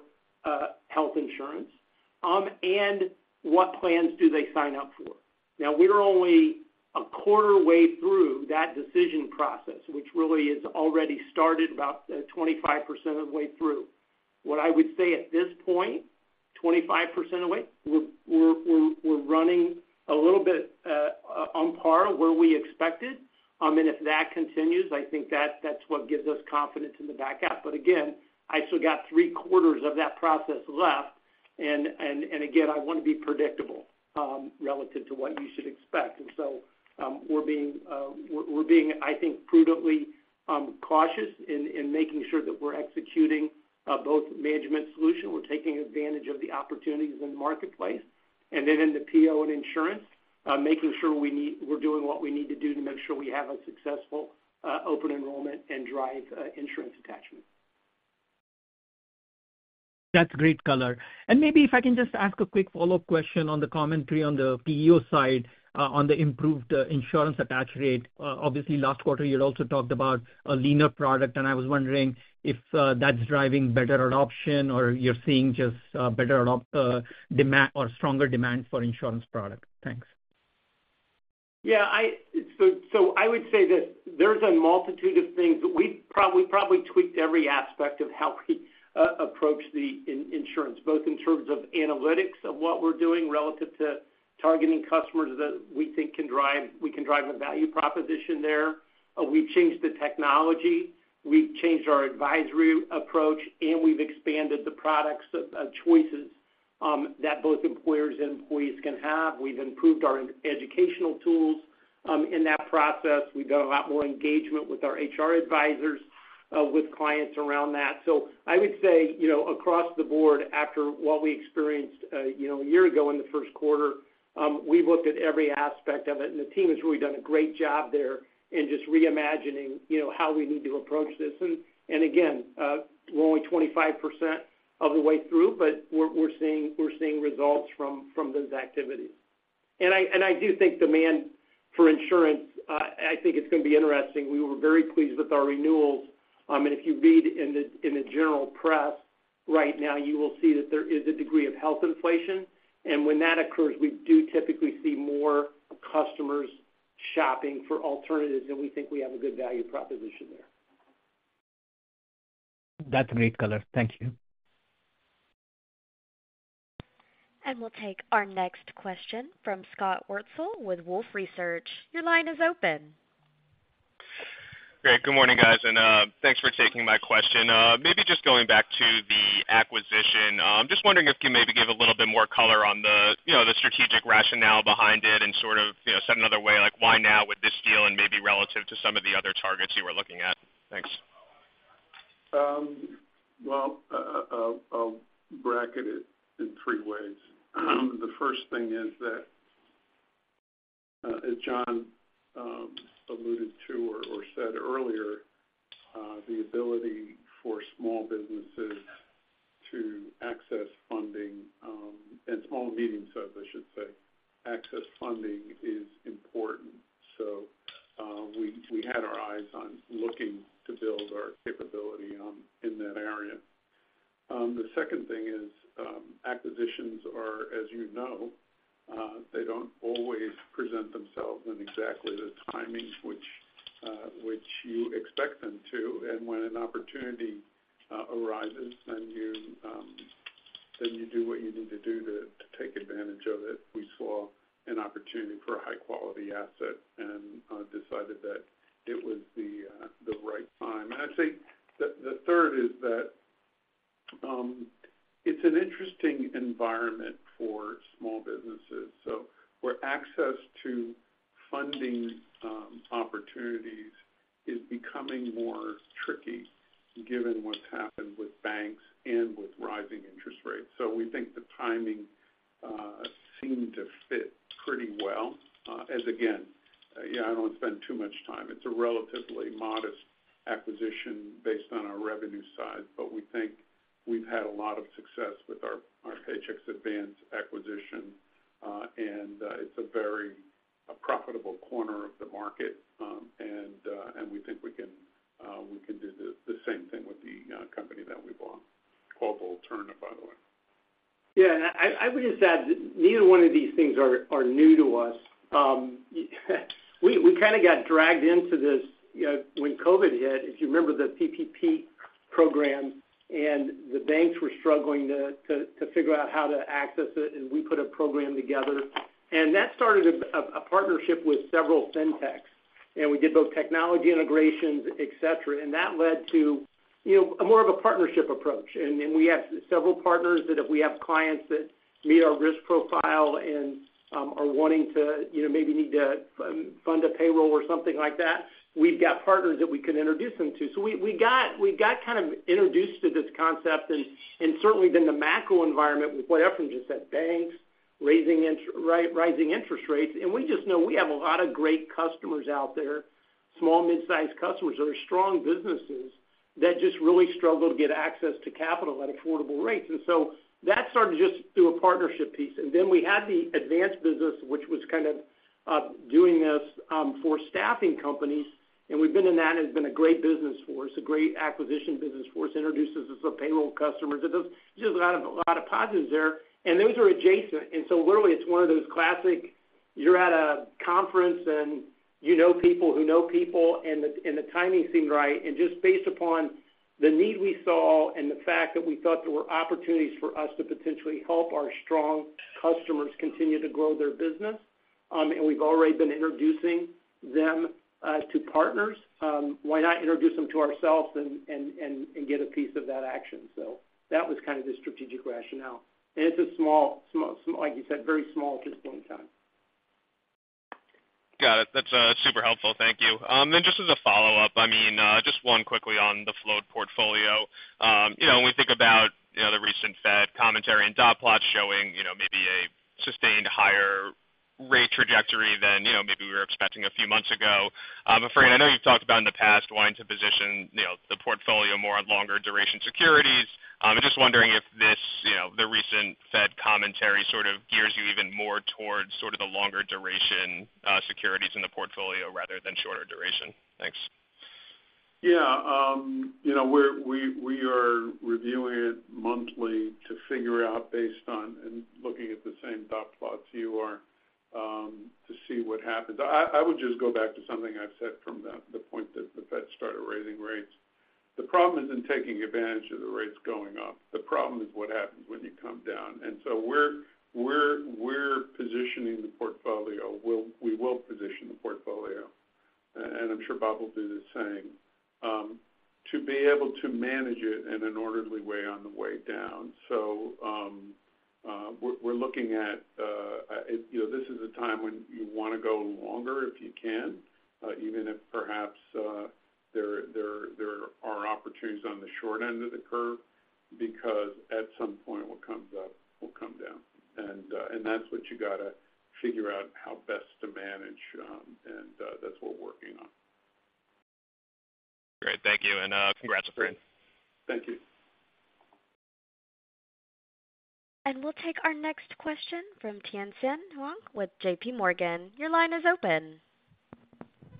health insurance, and what plans do they sign up for? Now, we're only a quarter way through that decision process, which really is already started about 25% of the way through. What I would say at this point, 25% of the way, we're running a little bit on par where we expected. And if that continues, I think that's what gives us confidence in the back half. But again, I still got three quarters of that process left, and again, I want to be predictable relative to what you should expect. So, we're being, I think, prudently cautious in making sure that we're executing both Management Solutions, we're taking advantage of the opportunities in the marketplace, and then in the PEO and insurance, making sure we're doing what we need to do to make sure we have a successful open enrollment and drive insurance attachment. That's great color. Maybe if I can just ask a quick follow-up question on the commentary on the PEO side, on the improved insurance attach rate. Obviously, last quarter, you also talked about a leaner product, and I was wondering if that's driving better adoption or you're seeing just better adoption demand or stronger demand for insurance product? Thanks. Yeah, so I would say that there's a multitude of things, but we've probably tweaked every aspect of how we approach the insurance, both in terms of analytics of what we're doing relative to targeting customers that we think we can drive a value proposition there. We've changed the technology, we've changed our advisory approach, and we've expanded the products of choices that both employers and employees can have. We've improved our educational tools in that process. We've got a lot more engagement with our HR advisors with clients around that. So I would say, you know, across the board, after what we experienced, you know, a year ago in the first quarter, we've looked at every aspect of it, and the team has really done a great job there in just reimagining, you know, how we need to approach this. And again, we're only 25% of the way through, but we're seeing results from those activities. And I do think demand for insurance, I think it's going to be interesting. We were very pleased with our renewals. And if you read in the general press right now, you will see that there is a degree of health inflation. And when that occurs, we do typically see more customers shopping for alternatives, and we think we have a good value proposition there. That's great color. Thank you. We'll take our next question from Scott Wurtzel with Wolfe Research. Your line is open. Great. Good morning, guys, and, thanks for taking my question. Maybe just going back to the acquisition. Just wondering if you maybe give a little bit more color on the, you know, the strategic rationale behind it and sort of, you know, said another way, like, why now with this deal and maybe relative to some of the other targets you were looking at? Thanks. Well, I'll bracket it in three ways. The first thing is that, as John alluded to or said earlier, the ability for small businesses to access funding, and small and medium size, I should say, access funding is important. So, we had our eyes on looking to build our capability in that area. The second thing is, acquisitions are, as you know, they don't always present themselves in exactly the timing which you expect them to. And when an opportunity arises, then you do what you need to do to take advantage of it. We saw an opportunity for a high-quality asset and decided that it was the right time. And I'd say the third is that, it's an interesting environment for small businesses. So where access to funding, opportunities is becoming more tricky given what's happened with banks and with rising interest rates. So we think the timing seemed to fit pretty well. As again, yeah, I don't want to spend too much time. It's a relatively modest acquisition based on our revenue size, but we think we've had a lot of success with our Paychex Advance acquisition, and it's a very profitable corner of the market, and we think we can do the same thing with the company that we bought, Global Turnip, by the way.... Yeah, and I would just add that neither one of these things are new to us. We kind of got dragged into this, you know, when COVID hit. If you remember the PPP program and the banks were struggling to figure out how to access it, and we put a program together. And that started a partnership with several fintechs, and we did both technology integrations, et cetera. And that led to, you know, more of a partnership approach. And we have several partners that if we have clients that meet our risk profile and are wanting to, you know, maybe need to fund a payroll or something like that, we've got partners that we can introduce them to. So we got kind of introduced to this concept and certainly then the macro environment with what Efrain just said, banks raising interest rates. And we just know we have a lot of great customers out there, small, mid-sized customers that are strong businesses, that just really struggle to get access to capital at affordable rates. And so that started just through a partnership piece. And then we had the advanced business, which was kind of doing this for staffing companies, and we've been in that, and it's been a great business for us, a great acquisition business for us. Introduced us to some payroll customers. There's just a lot of positives there, and those are adjacent. And so literally, it's one of those classic, you're at a conference, and you know people who know people, and the timing seemed right. And just based upon the need we saw and the fact that we thought there were opportunities for us to potentially help our strong customers continue to grow their business, and we've already been introducing them to partners, why not introduce them to ourselves and get a piece of that action? So that was kind of the strategic rationale. And it's a small... like you said, very small at this point in time. Got it. That's super helpful. Thank you. Then just as a follow-up, I mean, just one quickly on the float portfolio. You know, when we think about, you know, the recent Fed commentary and dot plots showing, you know, maybe a sustained higher rate trajectory than, you know, maybe we were expecting a few months ago, I'm afraid. I know you've talked about in the past wanting to position, you know, the portfolio more on longer duration securities. I'm just wondering if this, you know, the recent Fed commentary sort of gears you even more towards sort of the longer duration securities in the portfolio rather than shorter duration. Thanks. Yeah, you know, we're reviewing it monthly to figure out based on and looking at the same dot plots you are, to see what happens. I would just go back to something I've said from the point that the Fed started raising rates. The problem isn't taking advantage of the rates going up. The problem is what happens when you come down. And so we're positioning the portfolio. We will position the portfolio, and I'm sure Bob will do the same, to be able to manage it in an orderly way on the way down. So, we're looking at, you know, this is a time when you want to go longer, if you can, even if perhaps, there are opportunities on the short end of the curve, because at some point, what comes up will come down. And that's what you got to figure out how best to manage, and that's what we're working on. Great. Thank you, and, congrats, Efrain. Thank you. We'll take our next question from Tien-Tsin Huang with JPMorgan. Your line is open.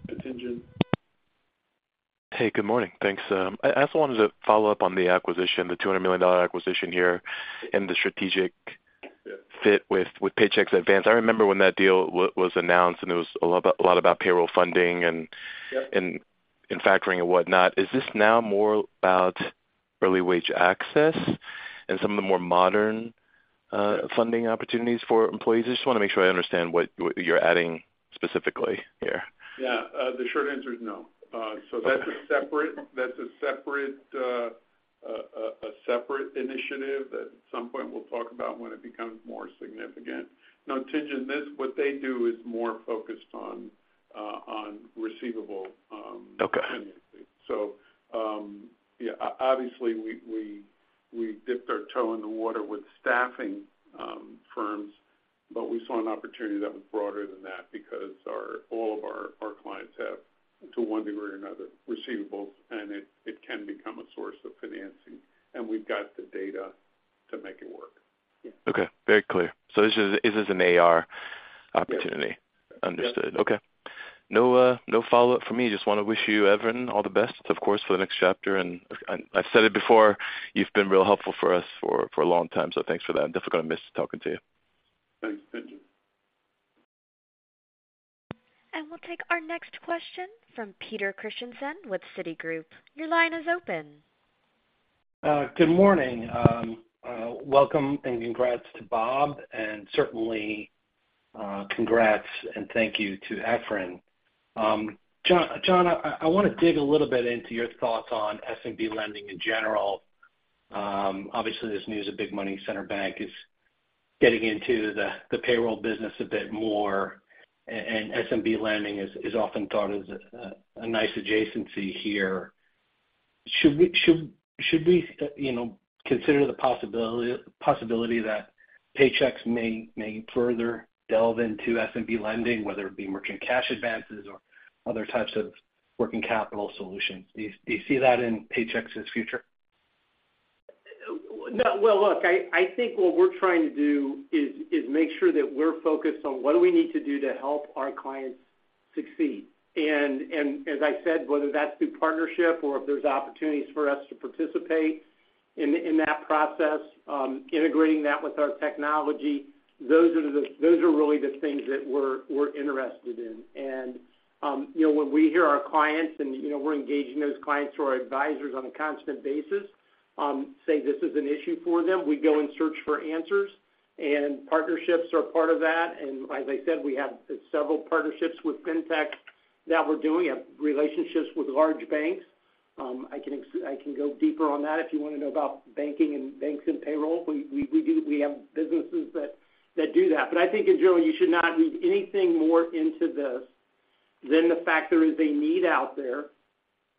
Tien-Tsin. Hey, good morning. Thanks. I also wanted to follow up on the acquisition, the $200 million acquisition here, and the strategic fit with Paychex Advance? I remember when that deal was announced, and it was a lot about payroll funding and- Yep. And factoring and whatnot. Is this now more about early wage access and some of the more modern, funding opportunities for employees? I just want to make sure I understand what, what you're adding specifically here. Yeah. The short answer is no. So that's a separate initiative that at some point we'll talk about when it becomes more significant. Now, Tien-Tsin, this, what they do is more focused on receivable, Okay. So, yeah, obviously, we dipped our toe in the water with staffing firms, but we saw an opportunity that was broader than that because all of our clients have, to one degree or another, receivables, and it can become a source of financing, and we've got the data to make it work. Okay, very clear. So this is, this is an AR opportunity? Yes. Understood. Yes. Okay. No, no follow-up for me. Just want to wish you, Efrain, all the best, of course, for the next chapter. And I, I've said it before, you've been real helpful for us for, for a long time, so thanks for that. I'm definitely going to miss talking to you. Thanks, Tien-Tsin. We'll take our next question from Peter Christiansen with Citigroup. Your line is open. Good morning. Welcome and congrats to Bob, and certainly, congrats and thank you to Efrain. John, I want to dig a little bit into your thoughts on SMB lending in general. Obviously, there's news a big money center bank is getting into the payroll business a bit more, and SMB lending is often thought of as a nice adjacency here. Should we, you know, consider the possibility that Paychex may further delve into SMB lending, whether it be merchant cash advances or other types of working capital solutions? Do you see that in Paychex's future? No. Well, look, I think what we're trying to is make sure that we're focused on what we need to do to help our clients succeed. And as I said, whether that's through partnership or if there's opportunities for us to participate in that process, integrating that with our technology, those are really the things that we're interested in. And you know, when we hear our clients and you know, we're engaging those clients through our advisors on a constant basis, say this is an issue for them, we go and search for answers, and partnerships are part of that. And as I said, we have several partnerships with fintech that we're doing, we have relationships with large banks. I can go deeper on that if you want to know about banking and banks and payroll. We do—we have businesses that do that. But I think in general, you should not read anything more into this than the fact there is a need out there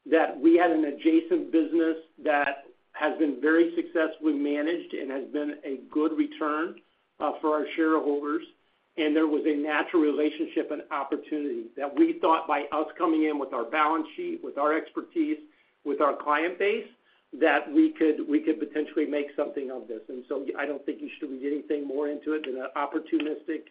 that we had an adjacent business that has been very successfully managed and has been a good return for our shareholders. And there was a natural relationship and opportunity that we thought by us coming in with our balance sheet, with our expertise, with our client base, that we could potentially make something of this. And so I don't think you should read anything more into it than an opportunistic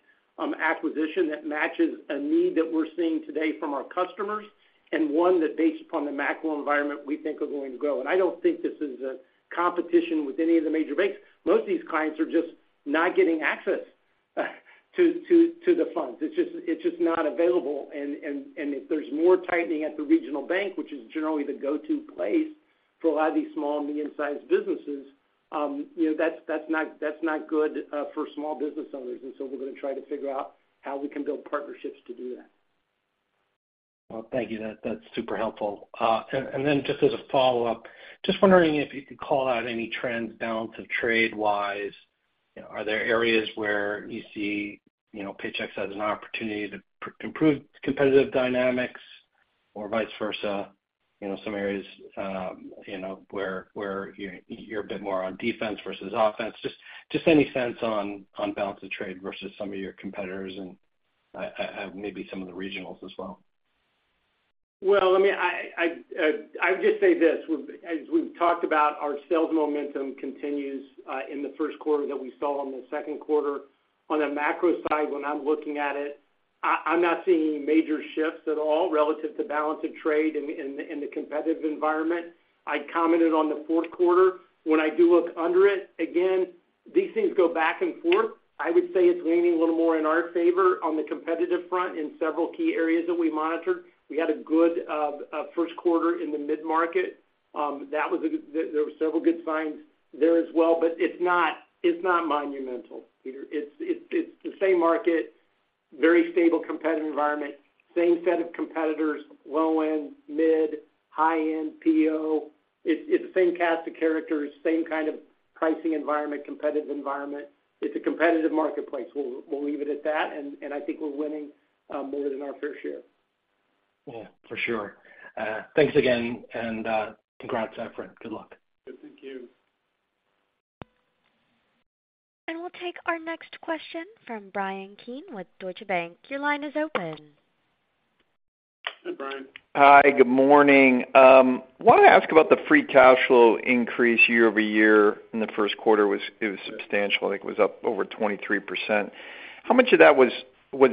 acquisition that matches a need that we're seeing today from our customers, and one that, based upon the macro environment, we think are going to grow. And I don't think this is a competition with any of the major banks. Most of these clients are just not getting access to the funds. It's just not available. And if there's more tightening at the regional bank, which is generally the go-to place for a lot of these small and medium-sized businesses, you know, that's not good for small business owners. And so we're going to try to figure out how we can build partnerships to do that. Well, thank you. That, that's super helpful. And then just as a follow-up, just wondering if you could call out any trends, balance of trade-wise. You know, are there areas where you see, you know, Paychex as an opportunity to improve competitive dynamics or vice versa? You know, some areas, you know, where you're a bit more on defense versus offense. Just any sense on balance of trade versus some of your competitors and maybe some of the regionals as well. Well, I would just say this, we've as we've talked about, our sales momentum continues in the first quarter that we saw on the second quarter. On the macro side, when I'm looking at it, I'm not seeing any major shifts at all relative to balance of trade in the competitive environment. I commented on the fourth quarter. When I do look under it, again, these things go back and forth. I would say it's leaning a little more in our favor on the competitive front in several key areas that we monitor. We had a good first quarter in the mid-market. That was a good there were several good signs there as well, but it's not, it's not monumental, Peter. It's the same market, very stable, competitive environment, same set of competitors, low end, mid, high end, PEO. It's the same cast of characters, same kind of pricing environment, competitive environment. It's a competitive marketplace. We'll leave it at that, and I think we're winning more than our fair share. Yeah, for sure. Thanks again, and congrats, Efrain. Good luck. Thank you. And we'll take our next question from Bryan Keane with Deutsche Bank. Your line is open. Hi, Bryan. Hi, good morning. Wanted to ask about the free cash flow increase year-over-year in the first quarter. It was substantial. I think it was up over 23%. How much of that was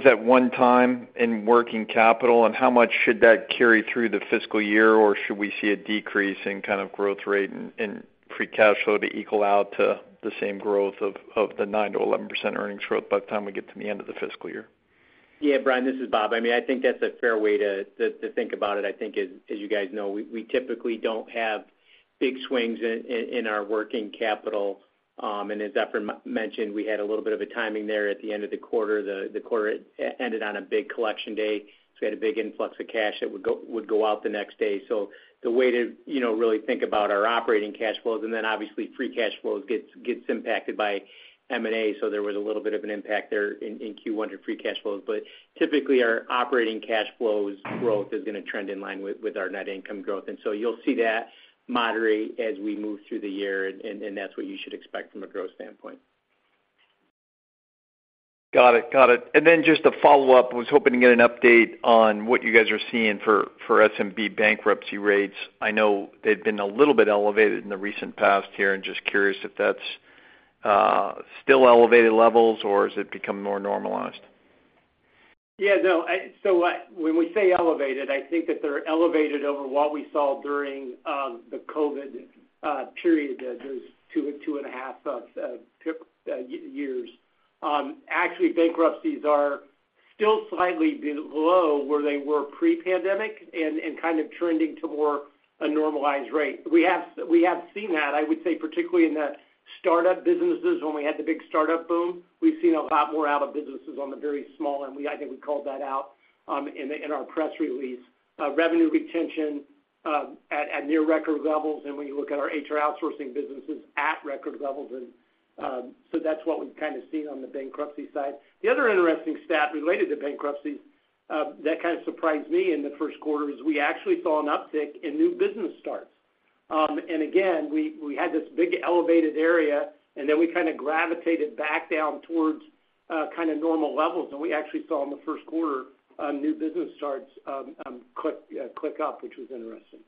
that one-time in working capital, and how much should that carry through the fiscal year? Or should we see a decrease in kind of growth rate in free cash flow to equal out to the same growth of the 9%-11% earnings growth by the time we get to the end of the fiscal year? Yeah, Bryan, this is Bob. I mean, I think that's a fair way to think about it. I think as you guys know, we typically don't have big swings in our working capital. And as Efrain mentioned, we had a little bit of a timing there at the end of the quarter. The quarter ended on a big collection day, so we had a big influx of cash that would go out the next day. So the way to, you know, really think about our operating cash flows, and then obviously, free cash flows gets impacted by M&A, so there was a little bit of an impact there in Q1 free cash flows. But typically, our operating cash flows growth is going to trend in line with our net income growth. And so you'll see that moderate as we move through the year, and that's what you should expect from a growth standpoint. Got it. Got it. And then just a follow-up. I was hoping to get an update on what you guys are seeing for SMB bankruptcy rates. I know they've been a little bit elevated in the recent past here, and just curious if that's still elevated levels, or has it become more normalized? Yeah, no. So when we say elevated, I think that they're elevated over what we saw during the COVID period, those 2.5 years. Actually, bankruptcies are still slightly below where they were pre-pandemic and kind of trending to more a normalized rate. We have, we have seen that, I would say, particularly in the startup businesses, when we had the big startup boom. We've seen a lot more out of businesses on the very small end. I think we called that out in our press release. Revenue retention at near record levels, and when you look at our HR outsourcing businesses, at record levels. And so that's what we've kind of seen on the bankruptcy side. The other interesting stat related to bankruptcies, that kind of surprised me in the first quarter, is we actually saw an uptick in new business starts. And again, we had this big elevated area, and then we kind of gravitated back down towards, kind of normal levels. And we actually saw in the first quarter, new business starts, tick up, which was interesting....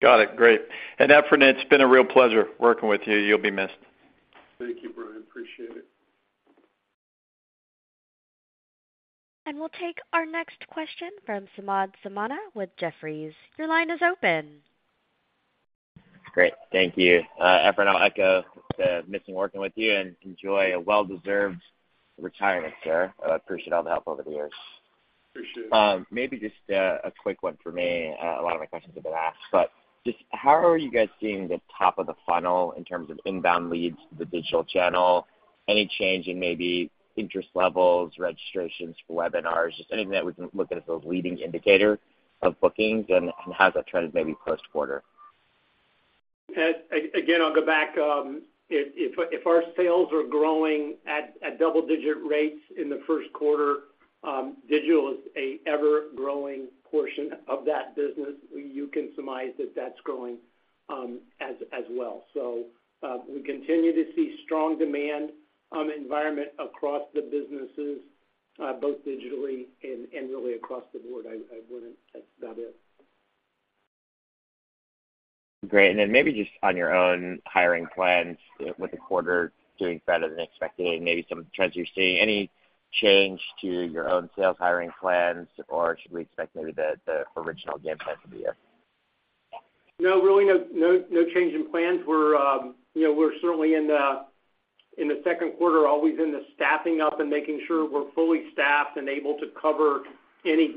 Got it. Great. And Efrain, it's been a real pleasure working with you. You'll be missed. Thank you, Bryan. Appreciate it. We'll take our next question from Samad Samana with Jefferies. Your line is open. Great. Thank you. Efrain, I'll echo the pleasure of working with you, and enjoy a well-deserved retirement, sir. I appreciate all the help over the years. Appreciate it. Maybe just a quick one for me. A lot of my questions have been asked, but just how are you guys seeing the top of the funnel in terms of inbound leads to the digital channel? Any change in maybe interest levels, registrations for webinars, just anything that we can look at as a leading indicator of bookings, and how has that trended maybe post-quarter? Again, I'll go back. If our sales are growing at double-digit rates in the first quarter, digital is an ever-growing portion of that business. You can surmise that that's growing, as well. So, we continue to see strong demand environment across the businesses, both digitally and really across the board. I wouldn't. That's about it. Great. And then maybe just on your own hiring plans, with the quarter doing better than expected, and maybe some trends you're seeing, any change to your own sales hiring plans, or should we expect maybe the original game plan to be it? No, really, no, no, no change in plans. We're, you know, we're certainly in the second quarter, always staffing up and making sure we're fully staffed and able to cover any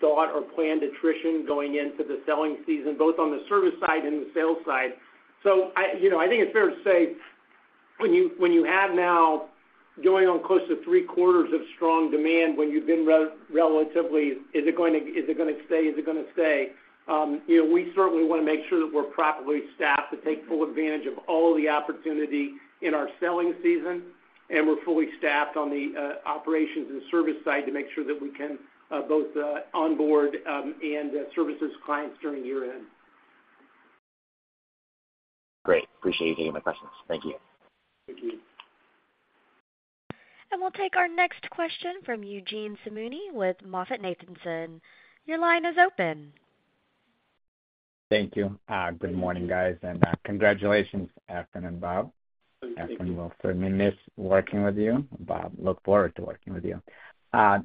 thought or planned attrition going into the selling season, both on the service side and the sales side. So, you know, I think it's fair to say, when you have now going on close to three quarters of strong demand, when you've been relatively, is it going to, is it gonna stay? Is it gonna stay? You know, we certainly want to make sure that we're properly staffed to take full advantage of all the opportunity in our selling season, and we're fully staffed on the operations and service side to make sure that we can both onboard and service clients during year-end. Great. Appreciate you taking my questions. Thank you. Thank you. We'll take our next question from Eugene Simuni with MoffettNathanson. Your line is open. Thank you. Good morning, guys, and congratulations, Efrain and Bob. Thank you. Efrain, we'll certainly miss working with you. Bob, look forward to working with you.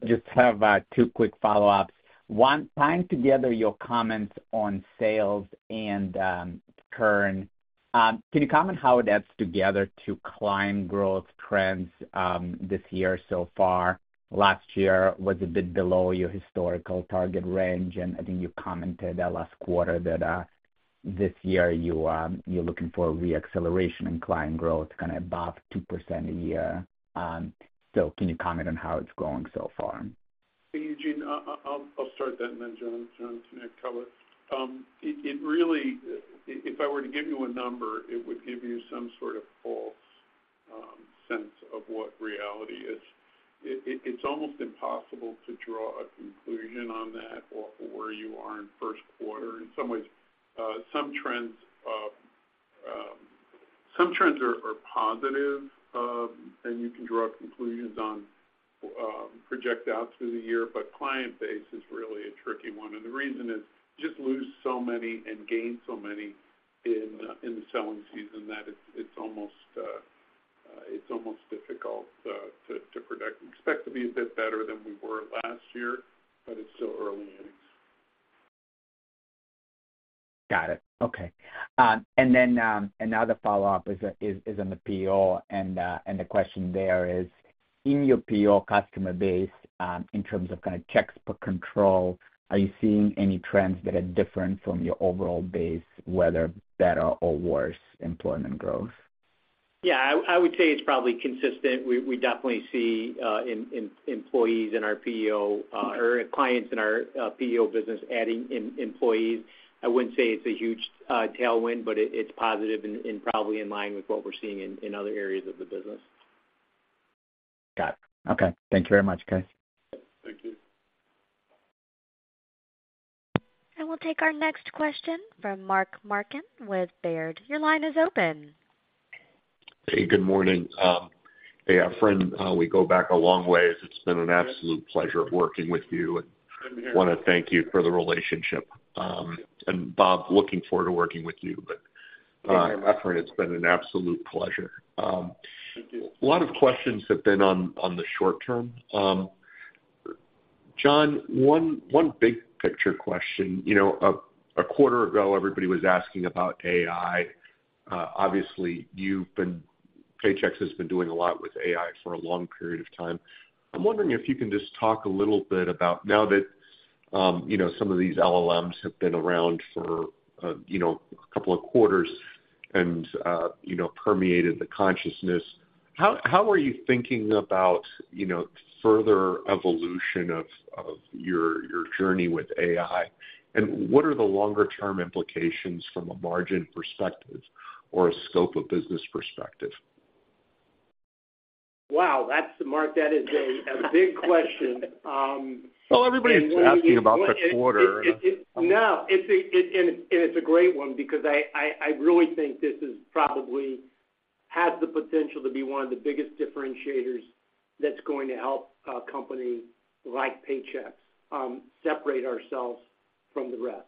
Just have two quick follow-ups. One, tying together your comments on sales and current, can you comment how it adds together to client growth trends this year so far? Last year was a bit below your historical target range, and I think you commented last quarter that this year, you're looking for a re-acceleration in client growth, kind of above 2% a year. So can you comment on how it's going so far? Hey, Eugene, I'll start that, and then John can cover. It really. If I were to give you a number, it would give you some sort of false sense of what reality is. It's almost impossible to draw a conclusion on that or where you are in first quarter. In some ways, some trends are positive, and you can draw conclusions on project out through the year, but client base is really a tricky one. And the reason is, you just lose so many and gain so many in the selling season that it's almost difficult to predict. We expect to be a bit better than we were last year, but it's still early innings. Got it. Okay. And then another follow-up is on the PEO, and the question there is, in your PEO customer base, in terms of kind of checks for control, are you seeing any trends that are different from your overall base, whether better or worse employment growth? Yeah, I would say it's probably consistent. We definitely see employees in our PEO, or clients in our PEO business adding employees. I wouldn't say it's a huge tailwind, but it's positive and probably in line with what we're seeing in other areas of the business. Got it. Okay. Thank you very much, guys. Thank you. We'll take our next question from Mark Marcon with Baird. Your line is open. Hey, good morning. Hey, Efrain, we go back a long way. It's been an absolute pleasure working with you- Same here. and want to thank you for the relationship. And Bob, looking forward to working with you. Thank you. Efrain, it's been an absolute pleasure. Thank you. A lot of questions have been on the short term. John, one big picture question: You know, a quarter ago, everybody was asking about AI. Obviously, you've been—Paychex has been doing a lot with AI for a long period of time. I'm wondering if you can just talk a little bit about now that, you know, some of these LLMs have been around for, you know, a couple of quarters and, you know, permeated the consciousness, how are you thinking about, you know, further evolution of your journey with AI? And what are the longer term implications from a margin perspective or a scope of business perspective? Wow, that's Mark, that is a big question. Well, everybody's asking about this quarter. No, it's a great one because I really think this is probably has the potential to be one of the biggest differentiators that's going to help a company like Paychex separate ourselves from the rest.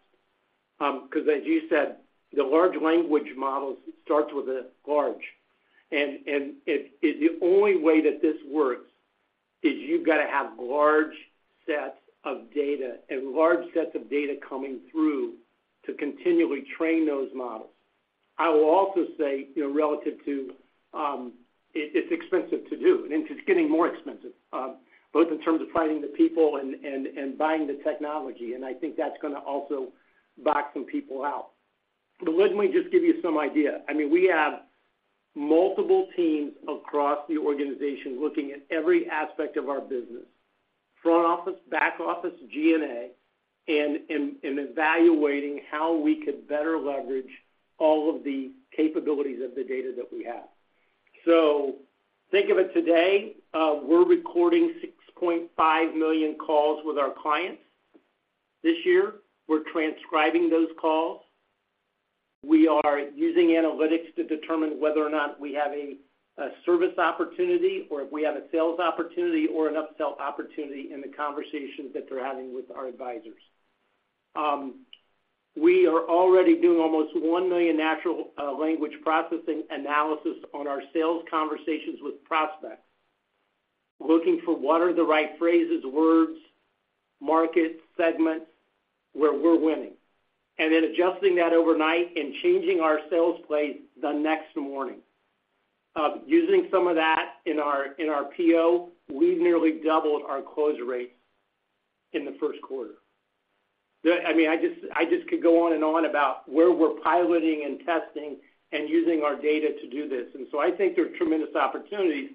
Because as you said, the large language models starts with a large, the only way that this works is you've got to have large sets of data and large sets of data coming through to continually train those models. I will also say, you know, relative to it, it's expensive to do, and it's getting more expensive, both in terms of finding the people and buying the technology, and I think that's gonna also box some people out. But let me just give you some idea. I mean, we have multiple teams across the organization looking at every aspect of our business, front office, back office, G&A, and evaluating how we could better leverage all of the capabilities of the data that we have. So think of it today, we're recording 6.5 million calls with our clients. This year, we're transcribing those calls. We are using analytics to determine whether or not we have a service opportunity, or if we have a sales opportunity or an upsell opportunity in the conversations that they're having with our advisors. We are already doing almost 1 million natural language processing analysis on our sales conversations with prospects, looking for what are the right phrases, words, market segments, where we're winning, and then adjusting that overnight and changing our sales play the next morning. Using some of that in our PEO, we've nearly doubled our close rates in the first quarter. I mean, I just could go on and on about where we're piloting and testing and using our data to do this, and so I think there are tremendous opportunities.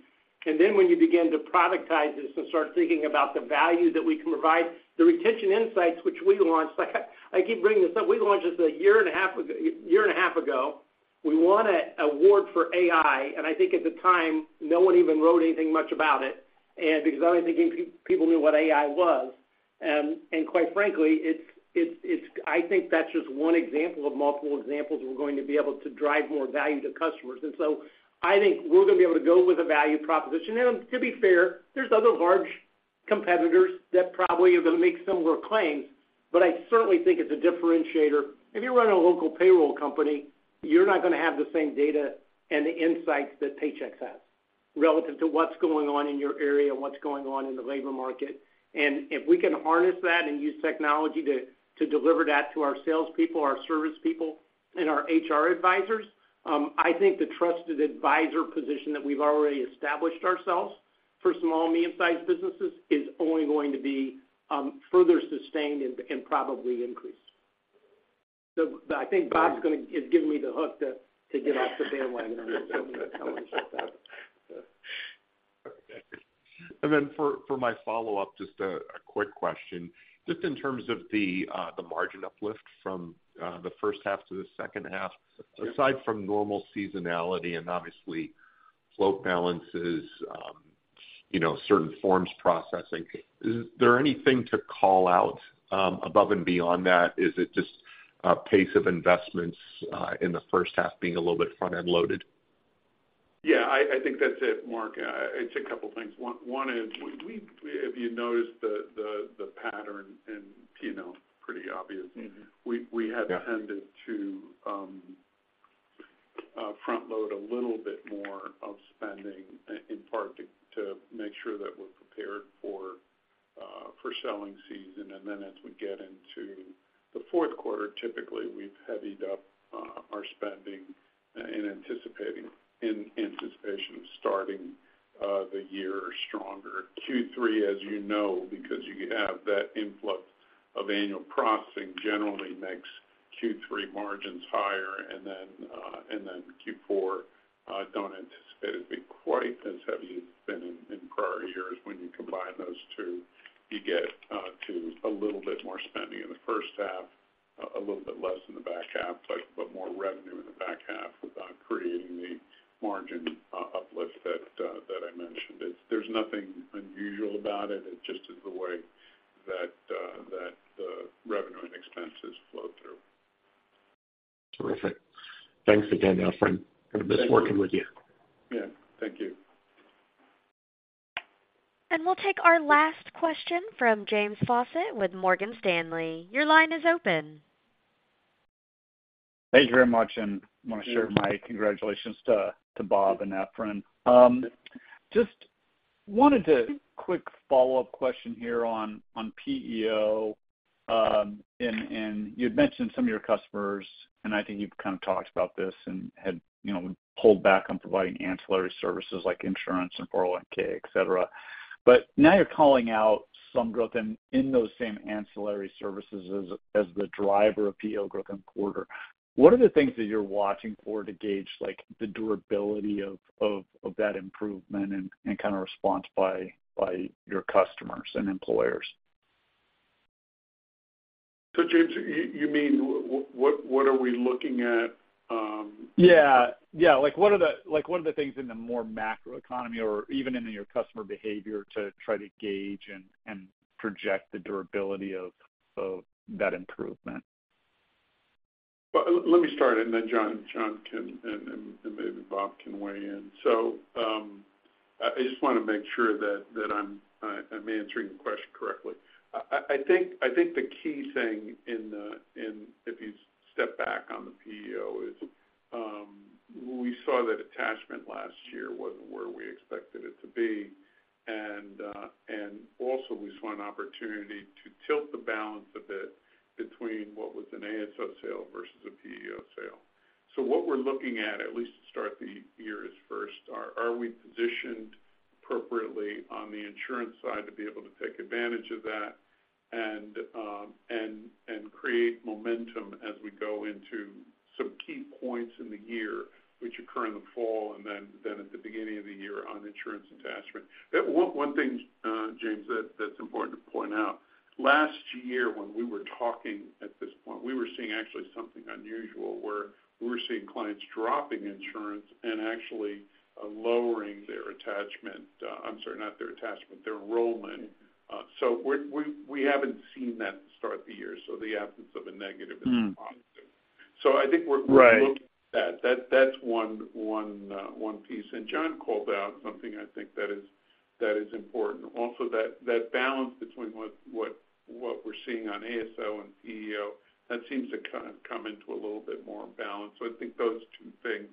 And then when you begin to productize this and start thinking about the value that we can provide, the Retention Insight which we launched, like, I keep bringing this up. We launched this a year and a half ago. We won an award for AI, and I think at the time, no one even wrote anything much about it, and because I don't think people knew what AI was. And quite frankly, it's... I think that's just one example of multiple examples we're going to be able to drive more value to customers. And so I think we're going to be able to go with a value proposition. And to be fair, there's other large competitors that probably are going to make similar claims, but I certainly think it's a differentiator. If you run a local payroll company, you're not going to have the same data and the insights that Paychex has relative to what's going on in your area, what's going on in the labor market. And if we can harness that and use technology to deliver that to our salespeople, our service people, and our HR advisors, I think the trusted advisor position that we've already established ourselves for small and medium-sized businesses is only going to be further sustained and probably increased. So I think Bob is giving me the hook to get off the bandwagon on this one. And then for my follow-up, just a quick question. Just in terms of the margin uplift from the first half to the second half, aside from normal seasonality and obviously float balances, you know, certain forms processing, is there anything to call out above and beyond that? Is it just pace of investments in the first half being a little bit front-end loaded? Yeah, I think that's it, Mark. It's a couple of things. One is we if you noticed the pattern in PEO, pretty obvious. Mm-hmm. We have- Yeah... Tended to front load a little bit more of spending, in part to make sure that we're prepared for selling season. And then as we get into the fourth quarter, typically, we've heavied up our spending in anticipating, in anticipation of starting the year stronger. Q3, as you know, because you have that influx of annual processing, generally makes Q3 margins higher, and then Q4, I don't anticipate it to be quite as heavy as it's been in prior years. When you combine those two, you get to a little bit more spending in the first half, a little bit less in the back half, but more revenue in the back half without creating the margin uplift that I mentioned. There's nothing unusual about it. It just is the way that, that the revenue and expenses flow through. Terrific. Thanks again, Efrain. Thank you. Good working with you. Yeah, thank you. We'll take our last question from James Faucette with Morgan Stanley. Your line is open. Thank you very much, and I want to share my congratulations to Bob and Efrain. Just wanted to quick follow-up question here on PEO, and you'd mentioned some of your customers, and I think you've kind of talked about this and had, you know, pulled back on providing ancillary services like insurance and 401(k), et cetera. But now you're calling out some growth in those same ancillary services as the driver of PEO growth in the quarter. What are the things that you're watching for to gauge, like, the durability of that improvement and kind of response by your customers and employers? So, James, you mean what, what are we looking at? Yeah. Yeah, like, what are the things in the more macroeconomy or even in your customer behavior to try to gauge and project the durability of that improvement? ... Well, let me start, and then John can, and maybe Bob can weigh in. So, I just want to make sure that I'm answering the question correctly. I think the key thing, if you step back on the PEO, is we saw that attachment last year wasn't where we expected it to be. And also we saw an opportunity to tilt the balance a bit between what was an ASO sale versus a PEO sale. So what we're looking at, at least to start the year, is first, are we positioned appropriately on the insurance side to be able to take advantage of that and create momentum as we go into some key points in the year, which occur in the fall and then at the beginning of the year on insurance attachment? But one thing, James, that's important to point out, last year, when we were talking at this point, we were seeing actually something unusual where we were seeing clients dropping insurance and actually lowering their attachment. I'm sorry, not their attachment, their enrollment. So we haven't seen that start the year, so the absence of a negative is a positive. Mm. I think we're Right. Looking at that. That, that's one piece. And John called out something I think that is important. Also, that balance between what we're seeing on ASO and PEO seems to kind of come into a little bit more in balance. So I think those two things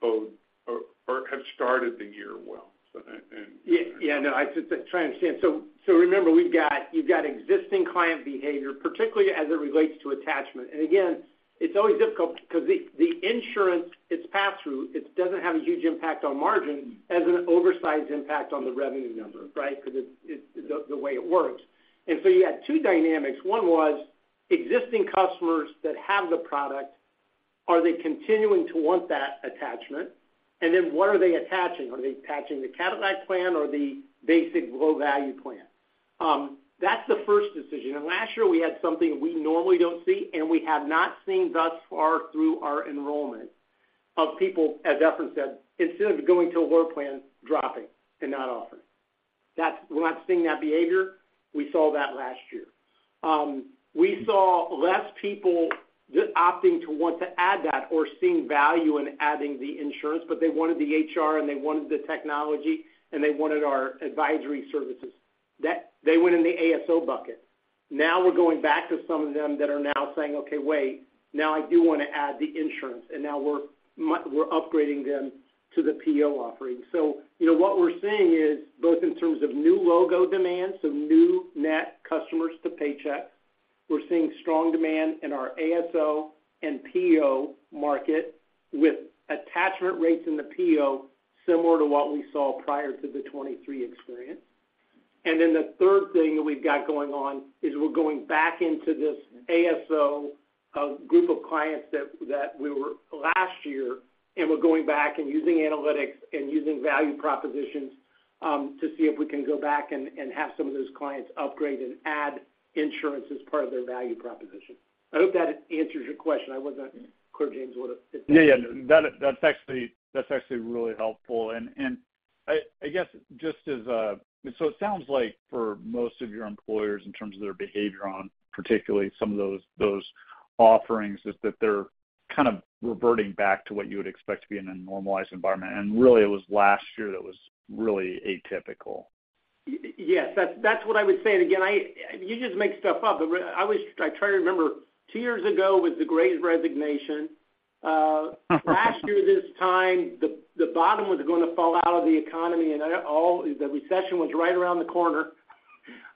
both are or have started the year well, so and, and- Yeah, yeah. No, I just try and understand. So, so remember, we've got—you've got existing client behavior, particularly as it relates to attachment. And again, it's always difficult because the, the insurance, it's pass-through, it doesn't have a huge impact on margin, has an oversized impact on the revenue number, right? Because it, it—the way it works. And so you had two dynamics. One was existing customers that have the product, are they continuing to want that attachment? And then, what are they attaching? Are they attaching the catalog plan or the basic low-value plan? That's the first decision. And last year, we had something we normally don't see, and we have not seen thus far through our enrollment, of people, as Efrain said, instead of going to a lower plan, dropping and not offering. That's—we're not seeing that behavior. We saw that last year. We saw less people just opting to want to add that or seeing value in adding the insurance, but they wanted the HR, and they wanted the technology, and they wanted our advisory services, that they went in the ASO bucket. Now, we're going back to some of them that are now saying, "Okay, wait. Now I do want to add the insurance," and now we're upgrading them to the PEO offering. So, you know, what we're seeing is both in terms of new logo demand, so new net customers to Paychex. We're seeing strong demand in our ASO and PEO market, with attachment rates in the PEO similar to what we saw prior to the 2023 experience. And then the third thing that we've got going on is we're going back into this ASO group of clients that we were last year, and we're going back and using analytics and using value propositions to see if we can go back and have some of those clients upgrade and add insurance as part of their value proposition. I hope that answers your question. I wasn't clear, James, what it- Yeah, yeah. That's actually, that's actually really helpful. And, and I, I guess, just as a... So it sounds like for most of your employers, in terms of their behavior on particularly some of those, those offerings, is that they're kind of reverting back to what you would expect to be in a normalized environment. And really, it was last year that was really atypical. Yes, that's, that's what I would say. And again, you just make stuff up. But I always, I try to remember, two years ago was the Great Resignation. Last year, this time, the bottom was gonna fall out of the economy, and all, the recession was right around the corner.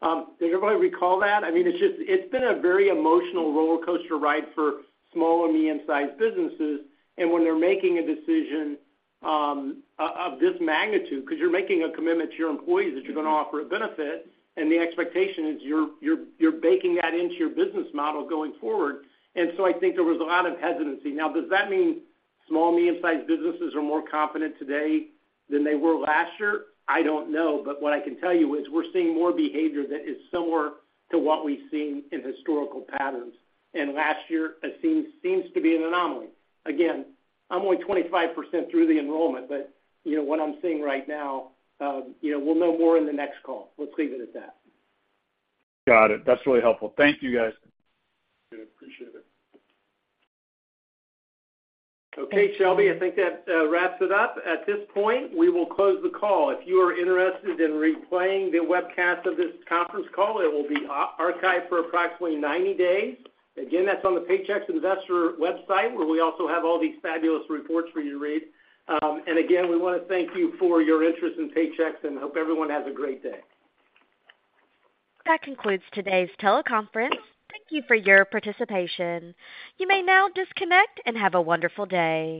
Does everybody recall that? I mean, it's just, it's been a very emotional rollercoaster ride for small and medium-sized businesses. And when they're making a decision of this magnitude, because you're making a commitment to your employees that you're going to offer a benefit, and the expectation is you're baking that into your business model going forward. And so I think there was a lot of hesitancy. Now, does that mean small and medium-sized businesses are more confident today than they were last year? I don't know. What I can tell you is we're seeing more behavior that is similar to what we've seen in historical patterns. Last year, it seems, to be an anomaly. Again, I'm only 25% through the enrollment, but, you know, what I'm seeing right now, you know, we'll know more in the next call. Let's leave it at that. Got it. That's really helpful. Thank you, guys. Good. Appreciate it. Okay, Shelby, I think that wraps it up. At this point, we will close the call. If you are interested in replaying the webcast of this conference call, it will be archived for approximately 90 days. Again, that's on the Paychex investor website, where we also have all these fabulous reports for you to read. And again, we want to thank you for your interest in Paychex, and hope everyone has a great day. That concludes today's teleconference. Thank you for your participation. You may now disconnect and have a wonderful day.